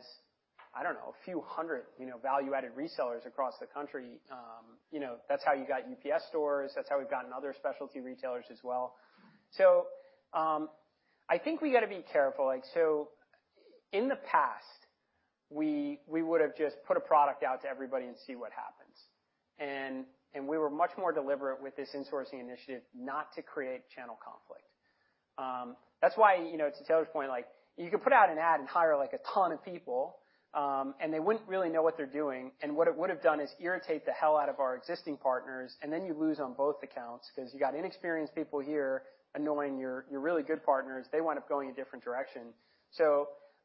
I don't know, a few hundred, you know, value-added resellers across the country. You know, that's how you got UPS Stores. That's how we've gotten other specialty retailers as well. I think we gotta be careful. Like, in the past, we would have just put a product out to everybody and see what happens. We were much more deliberate with this insourcing initiative not to create channel conflict. That's why, you know, to Taylor's point, like you can put out an ad and hire like a ton of people, and they wouldn't really know what they're doing. What it would have done is irritate the hell out of our existing partners, and then you lose on both accounts 'cause you got inexperienced people here annoying your really good partners. They wind up going a different direction.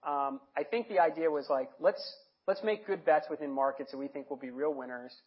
I think the idea was like, "Let's make good bets within markets that we think will be real winners."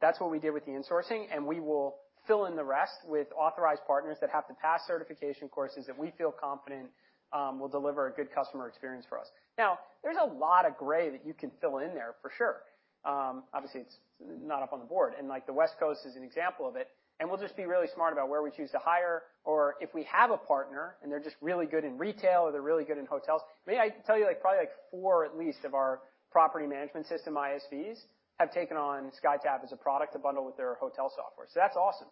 That's what we did with the insourcing, and we will fill in the rest with authorized partners that have to pass certification courses that we feel confident will deliver a good customer experience for us. Now, there's a lot of gray that you can fill in there for sure. Obviously, it's not up on the board, and like the West Coast is an example of it, and we'll just be really smart about where we choose to hire or if we have a partner and they're just really good in retail or they're really good in hotels. I mean, I can tell you like probably like four at least of our property management system ISVs have taken on SkyTab as a product to bundle with their hotel software. That's awesome.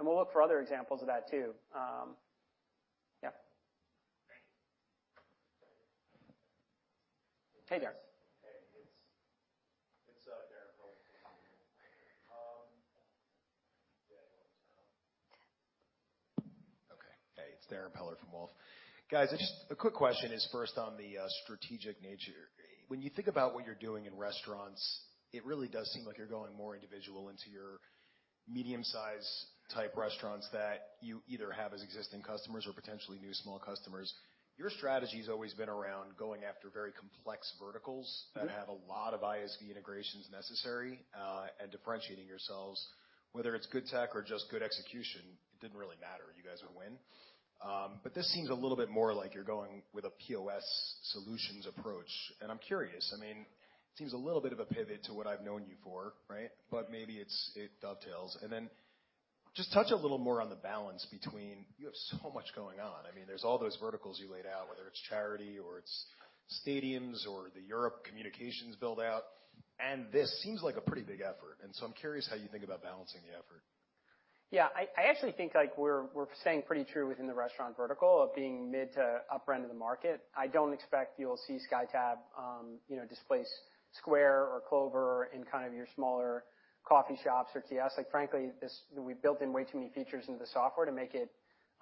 We'll look for other examples of that too. Yeah. Hey, Darrin. Hey, it's Darrin Peller from Wolfe Research. Guys, just a quick question is first on the strategic nature. When you think about what you're doing in restaurants, it really does seem like you're going more individual into your medium size type restaurants that you either have as existing customers or potentially new small customers. Your strategy's always been around going after very complex verticals. Mm-hmm. that have a lot of ISV integrations necessary, and differentiating yourselves, whether it's good tech or just good execution, it didn't really matter, you guys would win. This seems a little bit more like you're going with a POS solutions approach. I'm curious, I mean, it seems a little bit of a pivot to what I've known you for, right? Maybe it's, it dovetails. Then just touch a little more on the balance between you have so much going on. I mean, there's all those verticals you laid out, whether it's charity or it's stadiums or the European communications build out, and this seems like a pretty big effort. I'm curious how you think about balancing the effort. Yeah. I actually think like we're staying pretty true within the restaurant vertical of being mid to upfront of the market. I don't expect you'll see SkyTab displace Square or Clover in kind of your smaller coffee shops or kiosks. Like, frankly, we've built in way too many features into the software to make it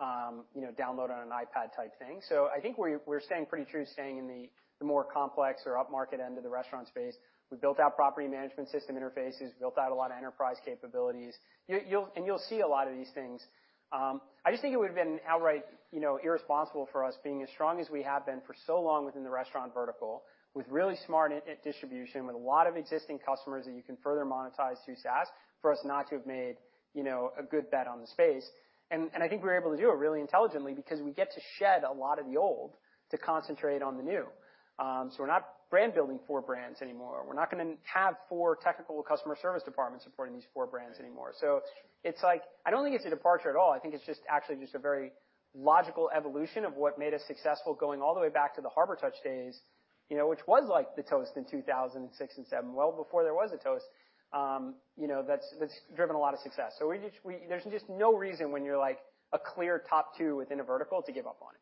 download on an iPad type thing. I think we're staying pretty true in the more complex or upmarket end of the restaurant space. We built out property management system interfaces, built out a lot of enterprise capabilities. You'll see a lot of these things. I just think it would have been outright, you know, irresponsible for us being as strong as we have been for so long within the restaurant vertical, with really smart at distribution, with a lot of existing customers that you can further monetize through SaaS, for us not to have made, you know, a good bet on the space. I think we're able to do it really intelligently because we get to shed a lot of the old to concentrate on the new. We're not brand building four brands anymore. We're not gonna have four technical customer service departments supporting these four brands anymore. It's like, I don't think it's a departure at all. I think it's just actually just a very logical evolution of what made us successful going all the way back to the Harbortouch days, you know, which was like the Toast in 2006 and 2007, well before there was a Toast. You know, that's driven a lot of success. We just, there's just no reason when you're like a clear top two within a vertical to give up on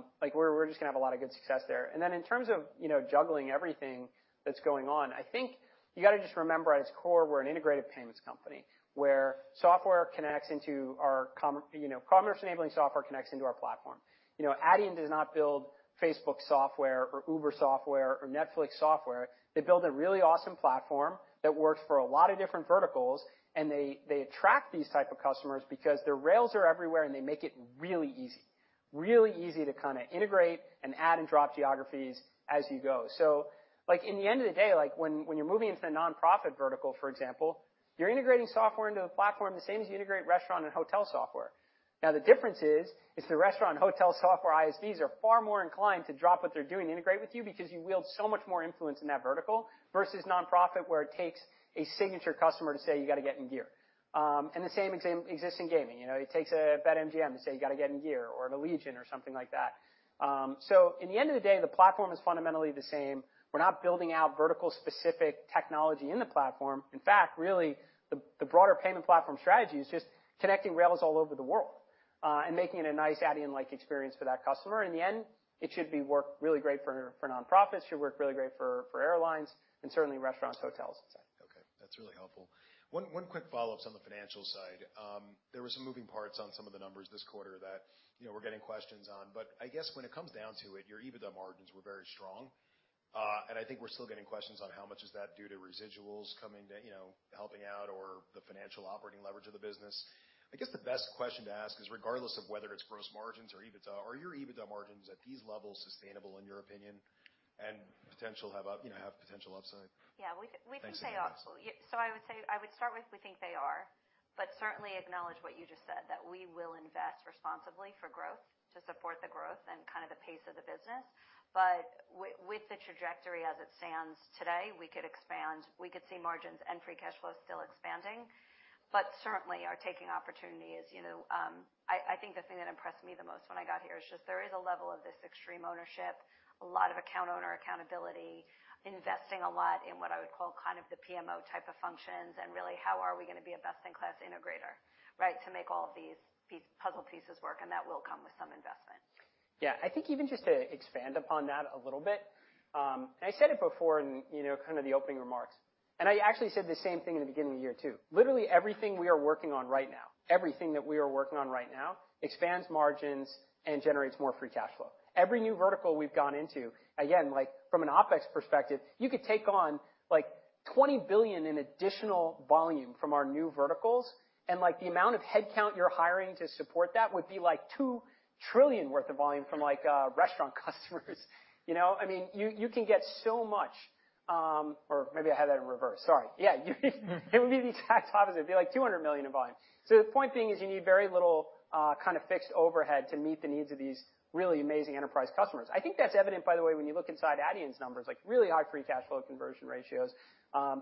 it. Like we're just gonna have a lot of good success there. In terms of, you know, juggling everything that's going on, I think you gotta just remember at its core, we're an integrated payments company, where software connects into our commerce enabling software connects into our platform. You know, Adyen does not build Facebook software or Uber software or Netflix software. They build a really awesome platform that works for a lot of different verticals, and they attract these type of customers because their rails are everywhere and they make it really easy to kinda integrate and add and drop geographies as you go. Like in the end of the day, like when you're moving into the nonprofit vertical, for example, you're integrating software into a platform the same as you integrate restaurant and hotel software. Now, the difference is the restaurant and hotel software ISVs are far more inclined to drop what they're doing and integrate with you because you wield so much more influence in that vertical versus nonprofit, where it takes a signature customer to say you gotta get in gear. The same example exists in gaming. You know, it takes a BetMGM to say, "You gotta get in gear," or a Allegiant or something like that. In the end of the day, the platform is fundamentally the same. We're not building out vertical specific technology in the platform. In fact, really, the broader payment platform strategy is just connecting rails all over the world, and making it a nice Adyen-like experience for that customer. In the end, it should be work really great for nonprofits, should work really great for airlines, and certainly restaurants, hotels. Okay. That's really helpful. One quick follow-up on the financial side. There were some moving parts on some of the numbers this quarter that, you know, we're getting questions on. I guess when it comes down to it, your EBITDA margins were very strong. I think we're still getting questions on how much is that due to residuals coming through, you know, helping out or the financial operating leverage of the business. I guess the best question to ask is, regardless of whether it's gross margins or EBITDA, are your EBITDA margins at these levels sustainable in your opinion and have potential upside? Yeah. Thanks, Nancy Disman. We can say absolutely. I would say, I would start with we think they are, but certainly acknowledge what you just said, that we will invest responsibly for growth to support the growth and kind of the pace of the business. With the trajectory as it stands today, we could expand. We could see margins and free cash flow still expanding, but certainly are taking opportunities. You know, I think the thing that impressed me the most when I got here is just there is a level of this extreme ownership, a lot of account owner accountability, investing a lot in what I would call kind of the PMO type of functions. How are we going to be a best-in-class integrator, right? To make all of these puzzle pieces work, and that will come with some investment. Yeah. I think even just to expand upon that a little bit, and I said it before in, you know, kind of the opening remarks, and I actually said the same thing in the beginning of the year, too. Literally everything we are working on right now expands margins and generates more free cash flow. Every new vertical we've gone into, again, like from an OpEx perspective, you could take on like $20 billion in additional volume from our new verticals, and like the amount of headcount you're hiring to support that would be like $2 trillion worth of volume from like, restaurant customers. You know? I mean, you can get so much, or maybe I have that in reverse. Sorry. Yeah. It would be the exact opposite. It'd be like $200 million in volume. The point being is you need very little kind of fixed overhead to meet the needs of these really amazing enterprise customers. I think that's evident, by the way, when you look inside Adyen's numbers, like really high free cash flow conversion ratios.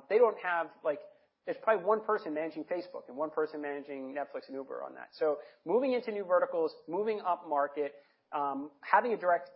They don't have like. There's probably one person managing Facebook and one person managing Netflix and Uber on that. Moving into new verticals, moving upmarket, having a direct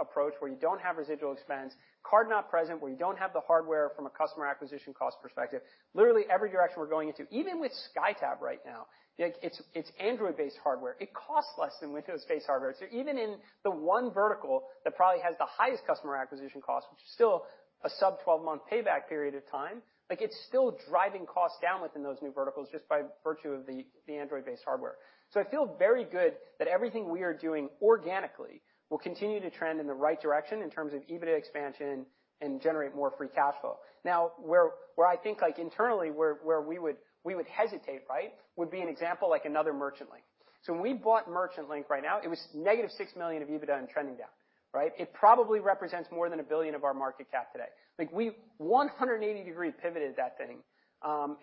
approach where you don't have residual expense, card not present, where you don't have the hardware from a customer acquisition cost perspective. Literally every direction we're going into, even with SkyTab right now, it's Android-based hardware. It costs less than Windows-based hardware. Even in the one vertical that probably has the highest customer acquisition cost, which is still a sub-12-month payback period of time, like it's still driving costs down within those new verticals just by virtue of the Android-based hardware. I feel very good that everything we are doing organically will continue to trend in the right direction in terms of EBITDA expansion and generate more free cash flow. Now, where I think like internally we would hesitate, right, would be an example like another Merchant Link. When we bought Merchant Link right now, it was negative $6 million of EBITDA and trending down, right. It probably represents more than $1 billion of our market cap today. Like we 180-degree pivoted that thing,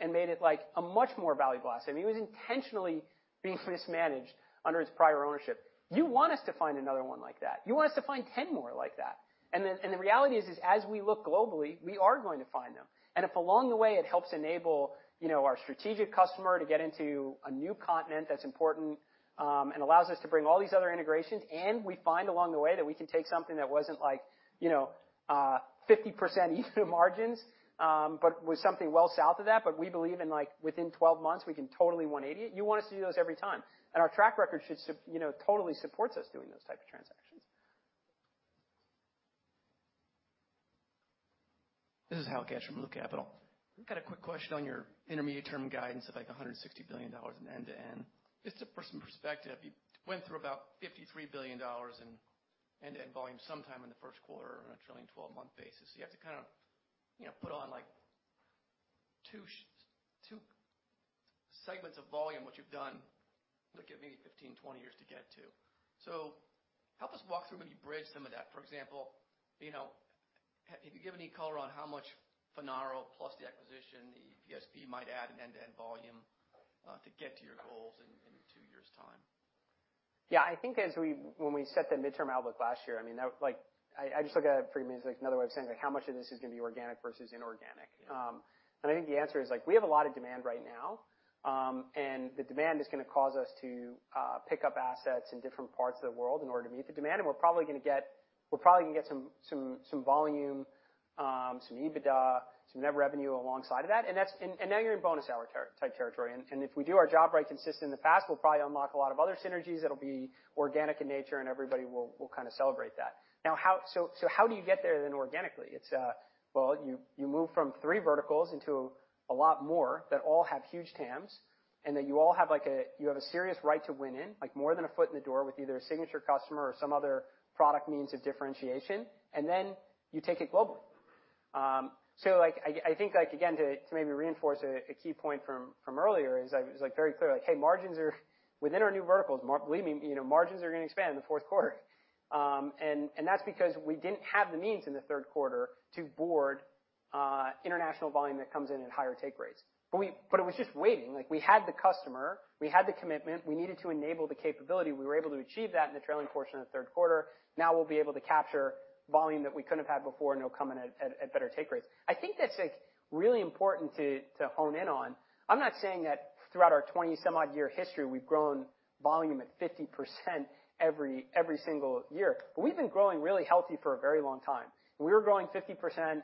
and made it like a much more value buy. It was intentionally being mismanaged under its prior ownership. You want us to find another one like that. You want us to find 10 more like that. The reality is as we look globally, we are going to find them. If along the way it helps enable, you know, our strategic customer to get into a new continent that's important, and allows us to bring all these other integrations, and we find along the way that we can take something that wasn't like, you know, 50% EBITDA margins, but was something well south of that, but we believe in like within 12 months we can totally one eighty it, you want us to do those every time. Our track record you know, totally supports us doing those type of transactions. This is Hal Cash from Blue Capital. I've got a quick question on your intermediate-term guidance of like $160 billion in end-to-end. Just for some perspective, you went through about $53 billion in end-to-end volume sometime in the first quarter on a trailing twelve-month basis. You have to kind of, you know, put on like two segments of volume, which you've done, that could maybe 15, 20 years to get to. Help us walk through and you bridge some of that. For example, you know, if you give any color on how much Finaro plus the acquisition, the PSP might add in end-to-end volume to get to your goals in two years' time. Yeah. I think when we set the midterm outlook last year, I mean, I just look at it pretty much like another way of saying like how much of this is gonna be organic versus inorganic. I think the answer is like, we have a lot of demand right now, and the demand is gonna cause us to pick up assets in different parts of the world in order to meet the demand. We're probably gonna get some volume, some EBITDA, some net revenue alongside of that. Now you're in bonus upside-type territory. If we do our job right consistent with the past, we'll probably unlock a lot of other synergies that'll be organic in nature, and everybody will kind of celebrate that. How do you get there then organically? It's you move from three verticals into a lot more that all have huge TAMs, and that you all have like you have a serious right to win in, like more than a foot in the door with either a signature customer or some other product means of differentiation, and then you take it globally. So like I think like, again, to maybe reinforce a key point from earlier is I was like very clear like, hey, margins are within our new verticals. Believe me, you know, margins are gonna expand in the fourth quarter. And that's because we didn't have the means in the third quarter to board international volume that comes in at higher take rates. It was just waiting. Like we had the customer, we had the commitment, we needed to enable the capability. We were able to achieve that in the trailing portion of the third quarter. Now we'll be able to capture volume that we couldn't have had before, and it'll come in at better take rates. I think that's like really important to hone in on. I'm not saying that throughout our 20-some-odd-year history, we've grown volume at 50% every single year. But we've been growing really healthy for a very long time. We were growing 50%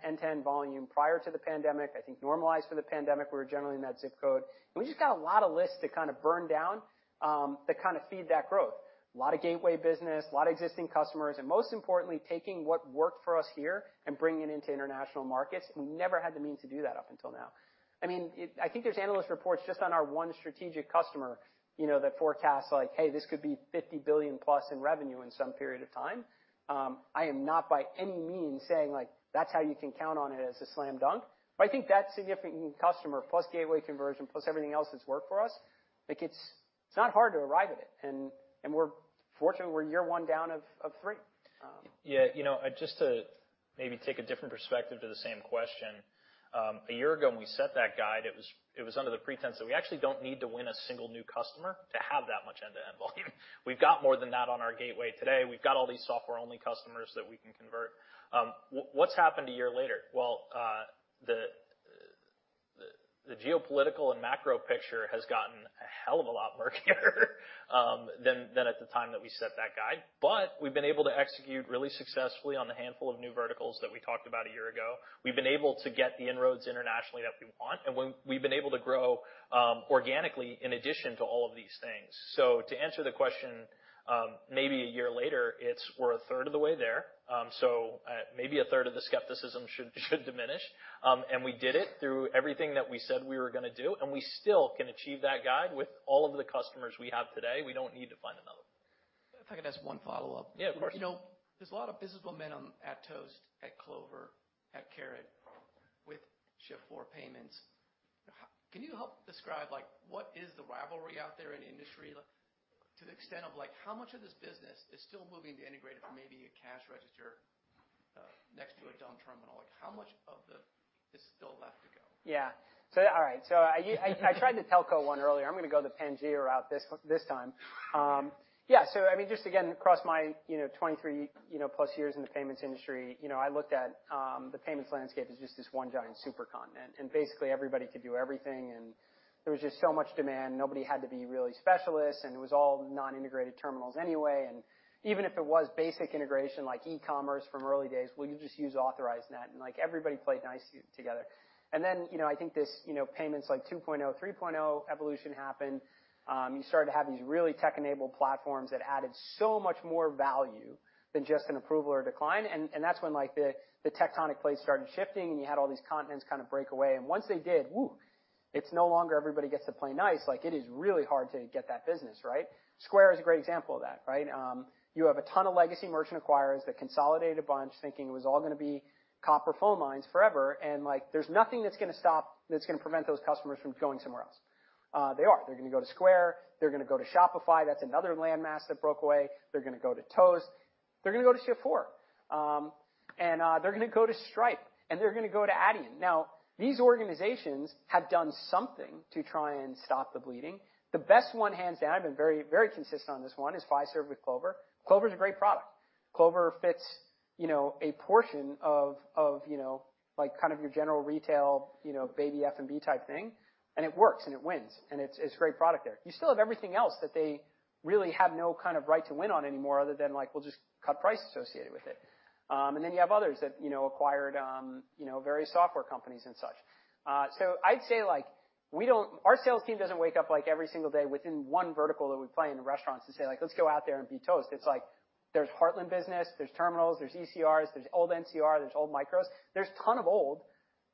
end-to-end volume prior to the pandemic. I think normalized for the pandemic, we were generally in that ZIP code. We just got a lot of lists to kind of burn down that kind of feed that growth. A lot of gateway business, a lot of existing customers, and most importantly, taking what worked for us here and bringing it into international markets. We never had the means to do that up until now. I mean, it. I think there's analyst reports just on our one strategic customer, you know, that forecast like, hey, this could be $50 billion+ in revenue in some period of time. I am not by any means saying like, that's how you can count on it as a slam dunk. But I think that significant customer plus gateway conversion, plus everything else that's worked for us, like it's not hard to arrive at it. We're fortunate we're year one down of three. Yeah. You know, just to maybe take a different perspective to the same question, a year ago when we set that guide, it was under the pretense that we actually don't need to win a single new customer to have that much end-to-end volume. We've got more than that on our gateway today. We've got all these software-only customers that we can convert. What's happened a year later? Well, the The geopolitical and macro picture has gotten a hell of a lot murkier than at the time that we set that guide. We've been able to execute really successfully on the handful of new verticals that we talked about a year ago. We've been able to get the inroads internationally that we want, and we've been able to grow organically in addition to all of these things. To answer the question, maybe a year later, we're a third of the way there. Maybe a third of the skepticism should diminish. We did it through everything that we said we were gonna do, and we still can achieve that guide with all of the customers we have today. We don't need to find another one. If I could ask one follow-up. Yeah, of course. You know, there's a lot of business momentum at Toast, at Clover, at Carrot with Shift4 Payments. Can you help describe, like, what is the rivalry out there in the industry, like, to the extent of, like, how much of this business is still moving to integrated from maybe a cash register next to a dumb terminal? Like, how much of this is still left to go? All right. I tried the telco one earlier. I'm gonna go the Pangaea route this time. I mean, just again, across my 23+ years in the payments industry, I looked at the payments landscape as just this one giant supercontinent, and basically everybody could do everything, and there was just so much demand. Nobody had to be really specialists, and it was all non-integrated terminals anyway. Even if it was basic integration like e-commerce from early days, well, you just use Authorize.net, and, like, everybody played nice together. Then, I think this payments like 2.0, 3.0 evolution happened. You started to have these really tech-enabled platforms that added so much more value than just an approval or decline. That's when like the tectonic plates started shifting, and you had all these continents kind of break away. Once they did, woo, it's no longer everybody gets to play nice. Like, it is really hard to get that business, right? Square is a great example of that, right? You have a ton of legacy merchant acquirers that consolidate a bunch thinking it was all gonna be copper phone lines forever. Like, there's nothing that's gonna prevent those customers from going somewhere else. They are. They're gonna go to Square. They're gonna go to Shopify. That's another landmass that broke away. They're gonna go to Toast. They're gonna go to Shift4. They're gonna go to Stripe, and they're gonna go to Adyen. Now, these organizations have done something to try and stop the bleeding. The best one, hands down, I've been very, very consistent on this one, is Fiserv with Clover. Clover's a great product. Clover fits, you know, a portion of, you know, like, kind of your general retail, you know, baby F&B type thing, and it works, and it wins, and it's a great product there. You still have everything else that they really have no kind of right to win on anymore other than, like, we'll just cut price associated with it. And then you have others that, you know, acquired, you know, various software companies and such. I'd say, like, we don't, our sales team doesn't wake up, like, every single day within one vertical that we play in the restaurants and say, like, "Let's go out there and beat Toast." It's like there's Heartland business, there's terminals, there's ECRs, there's old NCR, there's old Micros. There's tons of old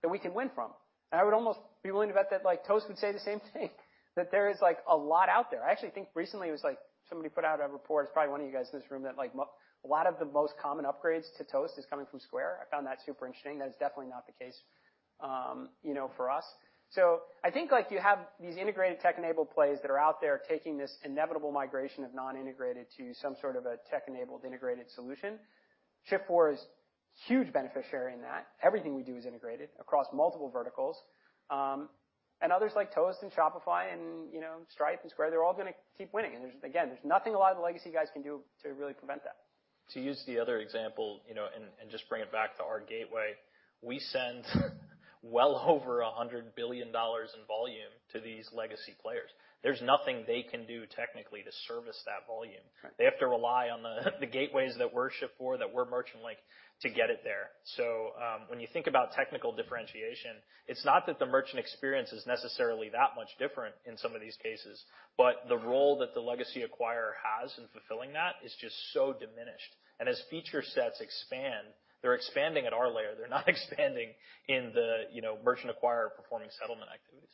that we can win from. I would almost be willing to bet that, like, Toast would say the same thing, that there is, like, a lot out there. I actually think recently it was, like, somebody put out a report, it's probably one of you guys in this room, that, like, a lot of the most common upgrades to Toast is coming from Square. I found that super interesting. That's definitely not the case, you know, for us. I think, like, you have these integrated tech-enabled plays that are out there taking this inevitable migration of non-integrated to some sort of a tech-enabled integrated solution. Shift4 is huge beneficiary in that. Everything we do is integrated across multiple verticals. And others like Toast and Shopify and, you know, Stripe and Square, they're all gonna keep winning. There's, again, nothing a lot of the legacy guys can do to really prevent that. To use the other example, you know, and just bring it back to our gateway, we send well over $100 billion in volume to these legacy players. There's nothing they can do technically to service that volume. Right. They have to rely on the gateways that we're Shift4, Merchant Link to get it there. When you think about technical differentiation, it's not that the merchant experience is necessarily that much different in some of these cases, but the role that the legacy acquirer has in fulfilling that is just so diminished. As feature sets expand, they're expanding at our layer. They're not expanding in the, you know, merchant acquirer performing settlement activities.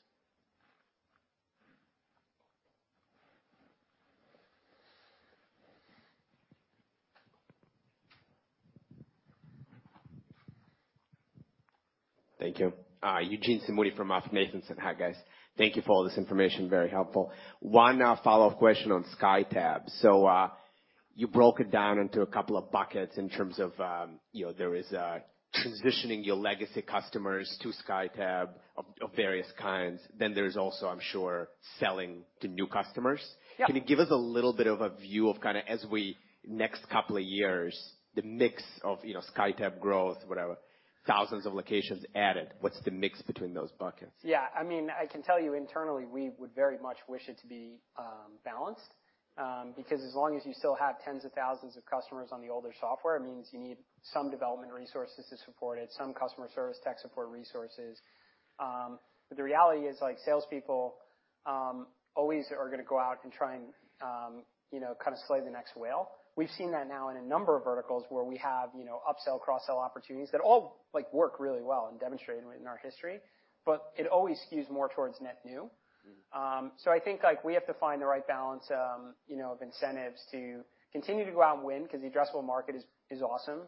Thank you. Eugene Simuni from MoffettNathanson. Hi, guys. Thank you for all this information. Very helpful. One follow-up question on SkyTab. You broke it down into a couple of buckets in terms of there is transitioning your legacy customers to SkyTab of various kinds. Then there's also, I'm sure, selling to new customers. Yeah. Can you give us a little bit of a view of kind of as we look to the next couple of years, the mix of, you know, SkyTab growth, whatever, thousands of locations added, what's the mix between those buckets? Yeah. I mean, I can tell you internally, we would very much wish it to be balanced, because as long as you still have tens of thousands of customers on the older software, it means you need some development resources to support it, some customer service tech support resources. The reality is, like, salespeople always are gonna go out and try and, you know, kinda slay the next whale. We've seen that now in a number of verticals where we have, you know, upsell, cross-sell opportunities that all, like, work really well and demonstrated in our history, but it always skews more towards net new. Mm-hmm. I think, like, we have to find the right balance, you know, of incentives to continue to go out and win 'cause the addressable market is awesome,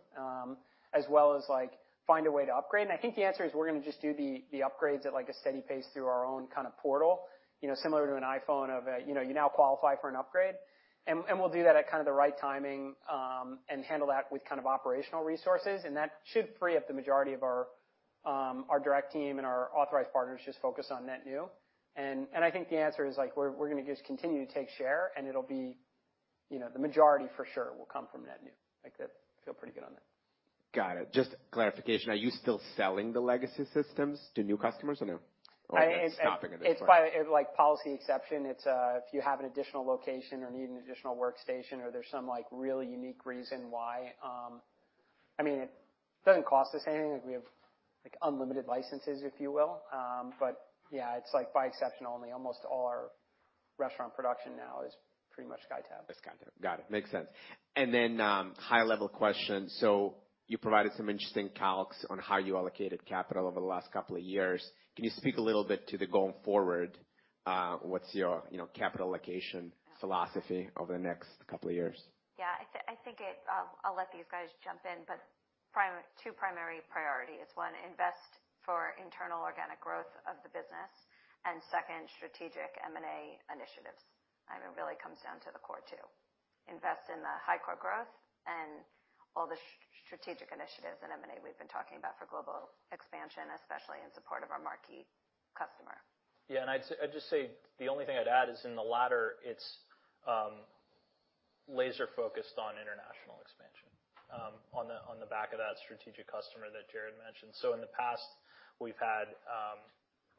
as well as, like, find a way to upgrade. I think the answer is we're gonna just do the upgrades at, like, a steady pace through our own kinda portal, you know, similar to an iPhone of, you know, you now qualify for an upgrade. We'll do that at kinda the right timing, and handle that with kind of operational resources, and that should free up the majority of our direct team and our authorized partners just focused on net new. I think the answer is, like, we're gonna just continue to take share, and it'll be, you know, the majority for sure will come from net new. I think, feel pretty good on that. Got it. Just clarification, are you still selling the legacy systems to new customers or no? Or are you stopping at this point? It's by, like, policy exception. It's if you have an additional location or need an additional workstation or there's some, like, really unique reason why. I mean, it doesn't cost us anything. We have, like, unlimited licenses, if you will. But yeah, it's, like, by exception only. Almost all our restaurant production now is pretty much SkyTab. SkyTab. Got it. Makes sense. High-level question. You provided some interesting calcs on how you allocated capital over the last couple of years. Can you speak a little bit to the going forward, what's your, you know, capital allocation philosophy over the next couple of years? I'll let these guys jump in, but two primary priorities. One, invest for internal organic growth of the business, and second, strategic M&A initiatives. I mean, it really comes down to the core two, invest in the high core growth and all the strategic initiatives in M&A we've been talking about for global expansion, especially in support of our marquee customer. Yeah. I'd just say the only thing I'd add is in the latter, it's laser-focused on international expansion on the back of that strategic customer that Jared mentioned. In the past, we've had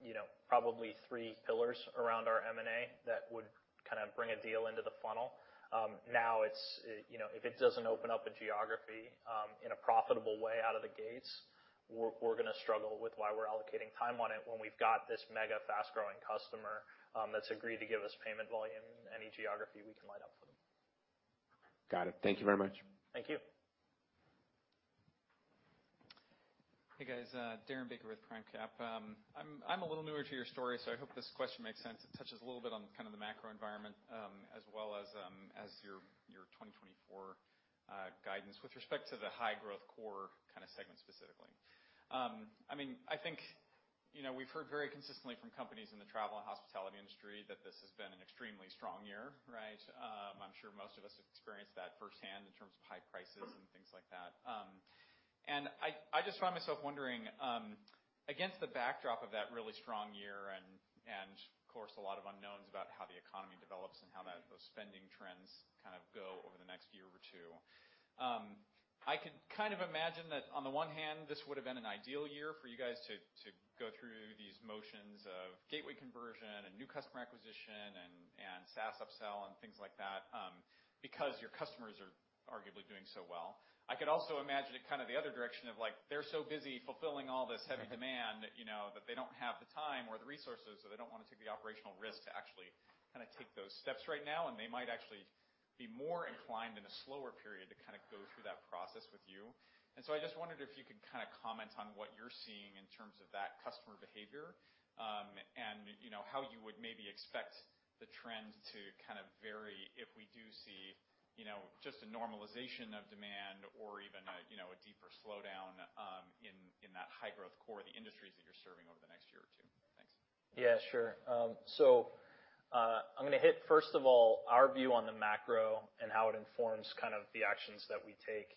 you know probably three pillars around our M&A that would kind of bring a deal into the funnel. Now it's you know if it doesn't open up a geography in a profitable way out of the gates, we're gonna struggle with why we're allocating time on it when we've got this mega fast-growing customer that's agreed to give us payment volume in any geography we can line up for them. Got it. Thank you very much. Thank you. Hey, guys. Darren Baker with PRIMECAP. I'm a little newer to your story, so I hope this question makes sense. It touches a little bit on kind of the macro environment, as well as your 2024 guidance with respect to the high growth core kind of segment specifically. I mean, I think, you know, we've heard very consistently from companies in the travel and hospitality industry that this has been an extremely strong year, right? I'm sure most of us have experienced that firsthand in terms of high prices and things like that. I just find myself wondering against the backdrop of that really strong year and of course, a lot of unknowns about how the economy develops and how those spending trends kind of go over the next year or two. I can kind of imagine that on the one hand, this would have been an ideal year for you guys to go through these motions of gateway conversion and new customer acquisition and SaaS upsell and things like that, because your customers are arguably doing so well. I could also imagine it kind of the other direction of, like, they're so busy fulfilling all this heavy demand, you know, that they don't have the time or the resources, so they don't wanna take the operational risk to actually kind of take those steps right now, and they might actually be more inclined in a slower period to kind of go through that process with you. I just wondered if you could kind of comment on what you're seeing in terms of that customer behavior, and, you know, how you would maybe expect the trend to kind of vary if we do see, you know, just a normalization of demand or even a, you know, a deeper slowdown, in that high growth core, the industries that you're serving over the next year or two. Thanks. Yeah, sure. I'm gonna hit, first of all, our view on the macro and how it informs kind of the actions that we take.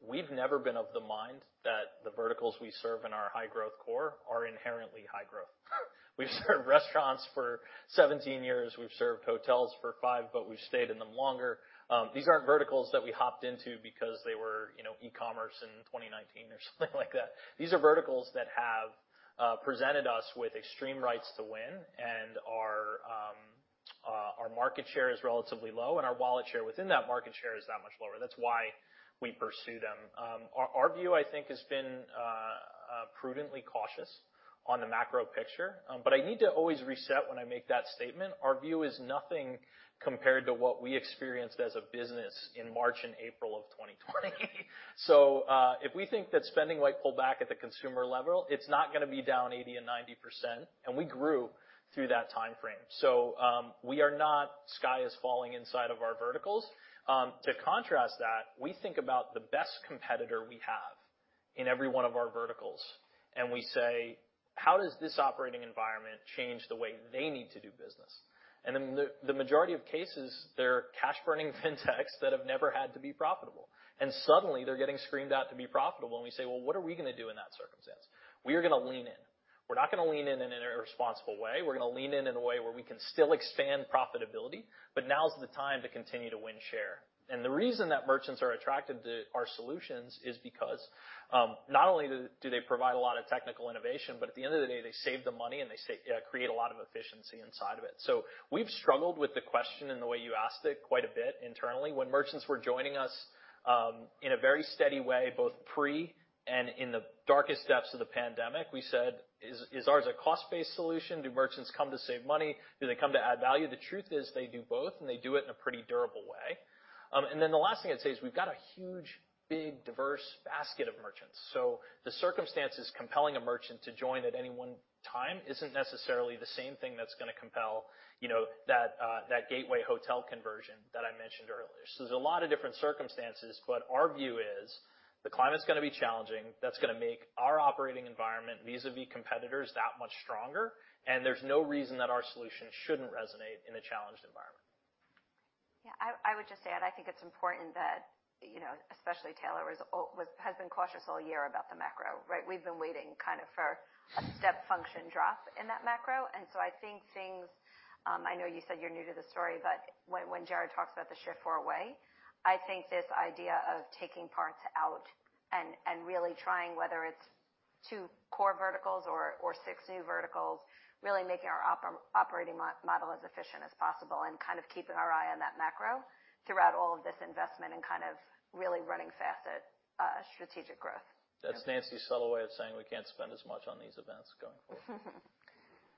We've never been of the mind that the verticals we serve in our high growth core are inherently high growth. We've served restaurants for 17 years, we've served hotels for five, but we've stayed in them longer. These aren't verticals that we hopped into because they were, you know, e-commerce in 2019 or something like that. These are verticals that have presented us with extreme rights to win, and our market share is relatively low, and our wallet share within that market share is that much lower. That's why we pursue them. Our view, I think, has been prudently cautious on the macro picture. I need to always reset when I make that statement. Our view is nothing compared to what we experienced as a business in March and April of 2020. If we think that spending might pull back at the consumer level, it's not gonna be down 80% and 90%, and we grew through that timeframe. The sky is not falling inside of our verticals. To contrast that, we think about the best competitor we have in every one of our verticals, and we say, "How does this operating environment change the way they need to do business?" In the majority of cases, they're cash-burning fintechs that have never had to be profitable. Suddenly, they're getting squeezed out to be profitable, and we say, "Well, what are we gonna do in that circumstance?" We are gonna lean in. We're not gonna lean in in an irresponsible way. We're gonna lean in in a way where we can still expand profitability, but now is the time to continue to win share. The reason that merchants are attracted to our solutions is because not only do they provide a lot of technical innovation, but at the end of the day, they save them money and they create a lot of efficiency inside of it. We've struggled with the question and the way you asked it quite a bit internally. When merchants were joining us in a very steady way, both pre and in the darkest depths of the pandemic, we said, "Is ours a cost-based solution? Do merchants come to save money? Do they come to add value?" The truth is they do both, and they do it in a pretty durable way. The last thing I'd say is we've got a huge, big, diverse basket of merchants. The circumstances compelling a merchant to join at any one time isn't necessarily the same thing that's gonna compel, you know, that gateway hotel conversion that I mentioned earlier. There's a lot of different circumstances, but our view is the climate's gonna be challenging. That's gonna make our operating environment, vis-a-vis competitors, that much stronger, and there's no reason that our solution shouldn't resonate in a challenged environment. Yeah. I would just add, I think it's important that, you know, especially Taylor has been cautious all year about the macro, right? We've been waiting kind of for a step function drop in that macro. I think things, I know you said you're new to the story, but when Jared talks about the Shift4 way, I think this idea of taking parts out and really trying, whether it's two core verticals or six new verticals, really making our operating model as efficient as possible and kind of keeping our eye on that macro throughout all of this investment and kind of really running fast at strategic growth. That's Nancy's subtle way of saying we can't spend as much on these events going forward.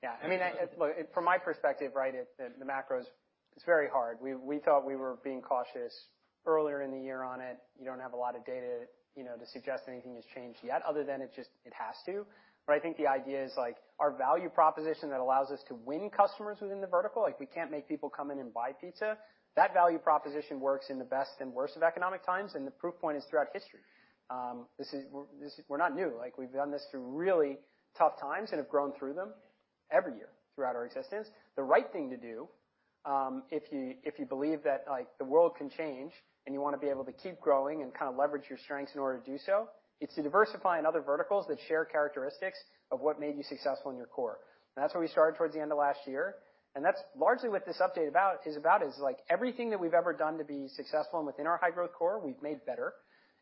Yeah. I mean, look, from my perspective, right, the macro's, it's very hard. We thought we were being cautious earlier in the year on it. You don't have a lot of data, you know, to suggest anything has changed yet other than it just, it has to. I think the idea is, like, our value proposition that allows us to win customers within the vertical, like, we can't make people come in and buy pizza. That value proposition works in the best and worst of economic times, and the proof point is throughout history. We're not new. Like, we've done this through really tough times and have grown through them every year throughout our existence. The right thing to do, if you believe that, like, the world can change and you wanna be able to keep growing and kind of leverage your strengths in order to do so, is to diversify in other verticals that share characteristics of what made you successful in your core. That's where we started towards the end of last year, and that's largely what this update is about, like, everything that we've ever done to be successful and within our high-growth core, we've made better,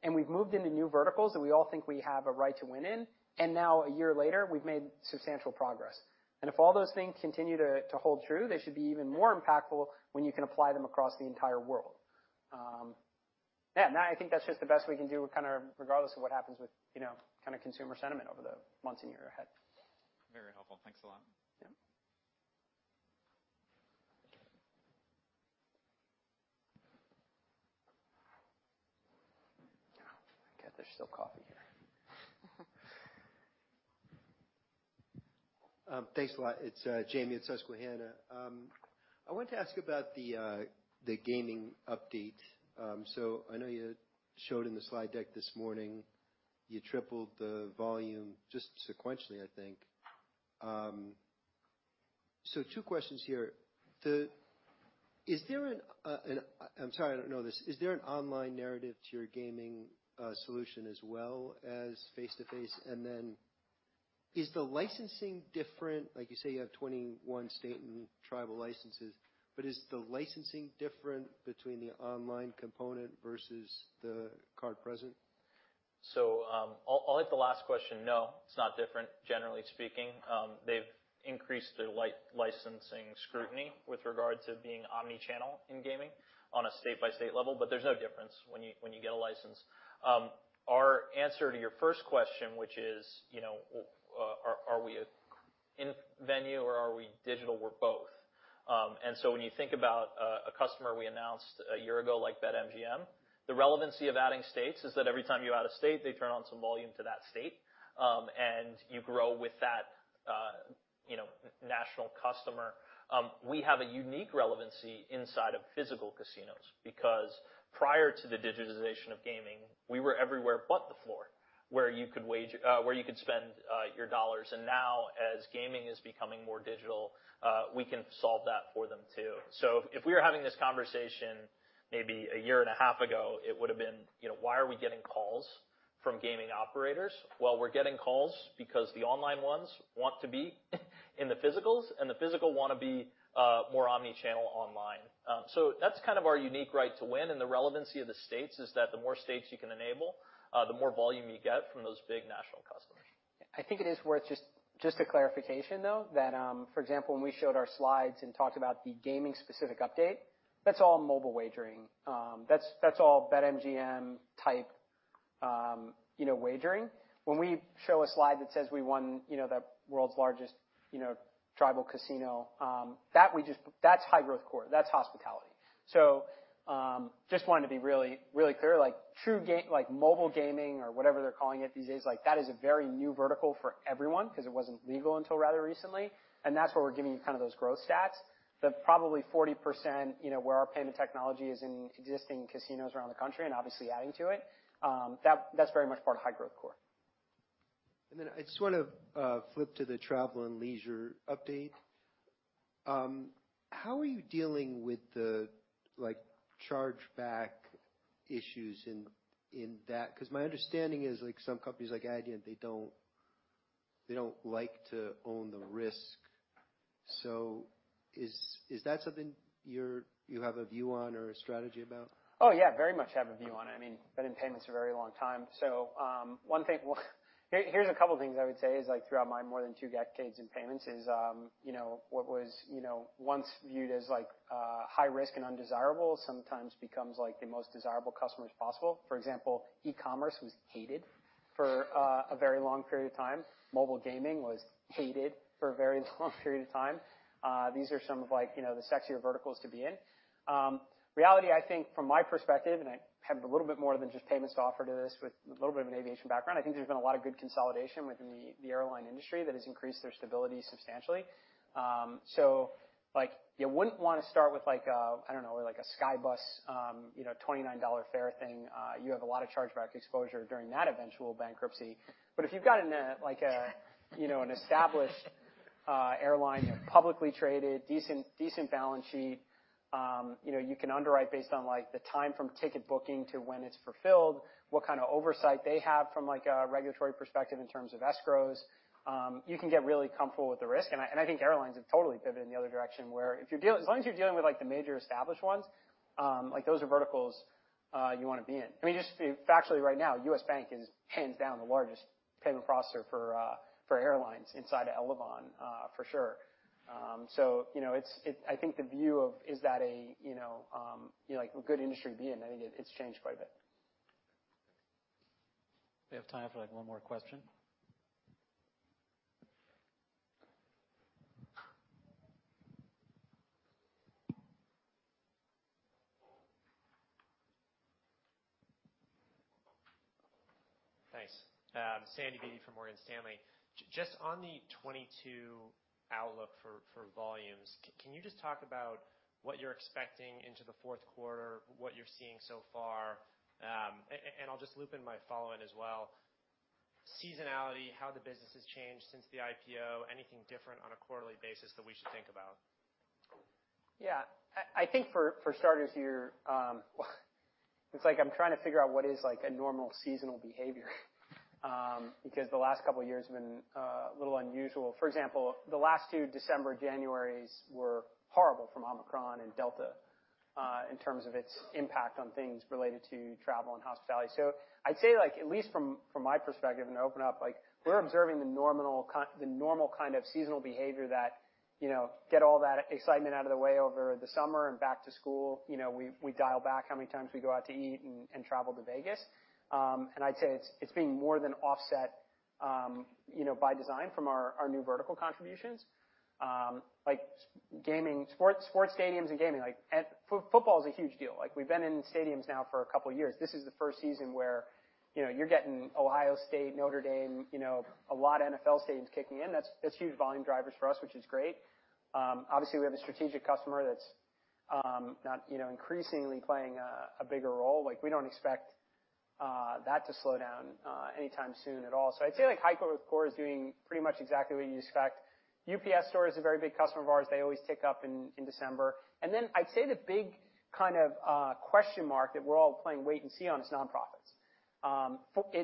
and we've moved into new verticals that we all think we have a right to win in. Now a year later, we've made substantial progress. If all those things continue to hold true, they should be even more impactful when you can apply them across the entire world. Yeah, I think that's just the best we can do kind of regardless of what happens with, you know, kind of consumer sentiment over the months and year ahead. Very helpful. Thanks a lot. Yeah. I forgot there's still coffee here. Thanks a lot. It's Jamie at Susquehanna. I wanted to ask about the gaming update. I know you showed in the slide deck this morning, you tripled the volume just sequentially, I think. Two questions here. Is there an online narrative to your gaming solution as well as face-to-face? I'm sorry, I don't know this. And then is the licensing different? Like, you say you have 21 state and tribal licenses, but is the licensing different between the online component versus the card present? I'll hit the last question. No, it's not different, generally speaking. They've increased their licensing scrutiny with regard to being omni-channel in gaming on a state-by-state level, but there's no difference when you get a license. Our answer to your first question, which is, are we in venue or are we digital? We're both. When you think about a customer we announced a year ago, like BetMGM, the relevancy of adding states is that every time you add a state, they turn on some volume to that state, and you grow with that national customer. We have a unique relevancy inside of physical casinos because prior to the digitization of gaming, we were everywhere but the floor, where you could spend your dollars. Now, as gaming is becoming more digital, we can solve that for them too. If we were having this conversation maybe a year and a half ago, it would've been, you know, why are we getting calls from gaming operators? Well, we're getting calls because the online ones want to be in the physicals, and the physical wanna be more omni-channel online. That's kind of our unique right to win, and the relevancy of the states is that the more states you can enable, the more volume you get from those big national customers. I think it is worth just a clarification, though, that, for example, when we showed our slides and talked about the gaming-specific update, that's all mobile wagering. That's all BetMGM-type, you know, wagering. When we show a slide that says we won, you know, the world's largest, you know, tribal casino, that's high-growth core. That's hospitality. Just wanted to be really, really clear. Like, mobile gaming or whatever they're calling it these days, like that is a very new vertical for everyone 'cause it wasn't legal until rather recently, and that's where we're giving you kind of those growth stats. The probably 40%, you know, where our payment technology is in existing casinos around the country and obviously adding to it, that's very much part of high-growth core. I just wanna flip to the travel and leisure update. How are you dealing with the, like, chargeback issues in that? 'Cause my understanding is, like, some companies like Adyen, they don't like to own the risk. Is that something you have a view on or a strategy about? Oh, yeah, very much have a view on it. I mean, been in payments a very long time. Here's a couple things I would say is, like, throughout my more than two decades in payments is, you know, what was, you know, once viewed as like, high risk and undesirable sometimes becomes like the most desirable customers possible. For example, e-commerce was hated for a very long period of time. Mobile gaming was hated for a very long period of time. These are some of like, you know, the sexier verticals to be in. In reality, I think from my perspective, and I have a little bit more than just payments to offer to this with a little bit of an aviation background, I think there's been a lot of good consolidation within the airline industry that has increased their stability substantially. Like, you wouldn't wanna start with like a, I don't know, like a Skybus, you know, $29 fare thing. You have a lot of chargeback exposure during that eventual bankruptcy. If you've got an, like a, you know, an established airline that publicly traded, decent balance sheet, you know, you can underwrite based on, like, the time from ticket booking to when it's fulfilled, what kind of oversight they have from, like, a regulatory perspective in terms of escrows. You can get really comfortable with the risk, and I think airlines have totally pivoted in the other direction where if you're dealing, as long as you're dealing with, like, the major established ones, like, those are verticals you wanna be in. I mean, just factually right now, U.S. Bank is hands down the largest payment processor for airlines inside of Elavon, for sure. So, you know, it's. I think the view is that, you know, like a good industry to be in. I think it's changed quite a bit. We have time for, like, one more question. Thanks. Sandy Beatty from Morgan Stanley. Just on the 2022 outlook for volumes, can you just talk about what you're expecting into the fourth quarter, what you're seeing so far? And I'll just loop in my follow-up as well. Seasonality, how the business has changed since the IPO, anything different on a quarterly basis that we should think about? Yeah. I think for starters here, it's like I'm trying to figure out what is, like, a normal seasonal behavior, because the last couple of years have been a little unusual. For example, the last two December-Januaries were horrible from Omicron and Delta, in terms of its impact on things related to travel and hospitality. I'd say, like, at least from my perspective, and to open up, like, we're observing the normal kind of seasonal behavior that, you know, get all that excitement out of the way over the summer and back to school. You know, we dial back how many times we go out to eat and travel to Vegas. And I'd say it's being more than offset, you know, by design from our new vertical contributions. Like gaming, sports stadiums and gaming. Football is a huge deal. Like, we've been in stadiums now for a couple years. This is the first season where, you know, you're getting Ohio State, Notre Dame, you know, a lot of NFL stadiums kicking in. That's huge volume drivers for us, which is great. Obviously, we have a strategic customer that's now, you know, increasingly playing a bigger role. Like, we don't expect that to slow down anytime soon at all. I'd say, like, our core is doing pretty much exactly what you expect. UPS Store is a very big customer of ours. They always tick up in December. I'd say the big kind of question mark that we're all playing wait and see on is nonprofits.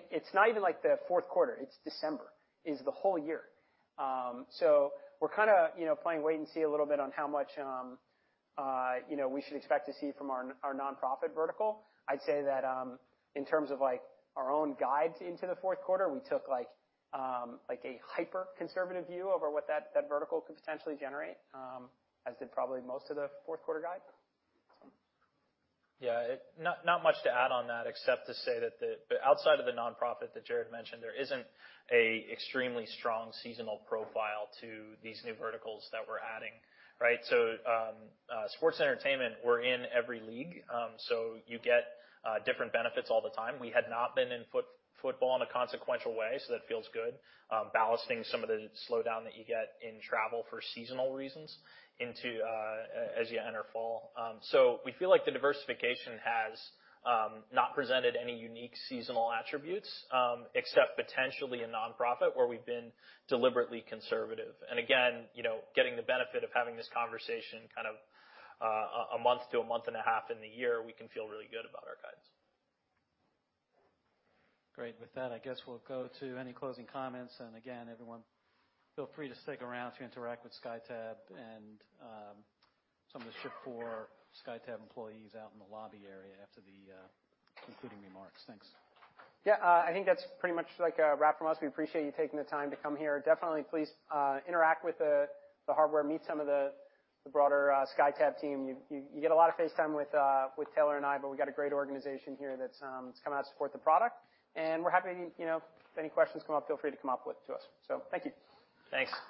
It's not even like the fourth quarter, it's December, is the whole year. We're kinda, you know, playing wait and see a little bit on how much, you know, we should expect to see from our nonprofit vertical. I'd say that, in terms of, like, our own guides into the fourth quarter, we took like a hyper-conservative view over what that vertical could potentially generate, as did probably most of the fourth quarter guides. Yeah. Not much to add on that except to say that the outside of the nonprofit that Jared mentioned, there isn't an extremely strong seasonal profile to these new verticals that we're adding, right? Sports entertainment, we're in every league, so you get different benefits all the time. We had not been in football in a consequential way, so that feels good. Ballasting some of the slowdown that you get in travel for seasonal reasons into as you enter fall. We feel like the diversification has not presented any unique seasonal attributes, except potentially in nonprofit where we've been deliberately conservative. Again, you know, getting the benefit of having this conversation kind of a month to a month and a half in the year, we can feel really good about our guides. Great. With that, I guess we'll go to any closing comments. Again, everyone, feel free to stick around to interact with SkyTab and some of the Shift4 SkyTab employees out in the lobby area after the concluding remarks. Thanks. Yeah. I think that's pretty much, like, a wrap from us. We appreciate you taking the time to come here. Definitely please interact with the hardware, meet some of the broader SkyTab team. You get a lot of face time with Taylor and I, but we got a great organization here that's come out to support the product. We're happy to, you know, if any questions come up, feel free to come up with to us. Thank you. Thanks.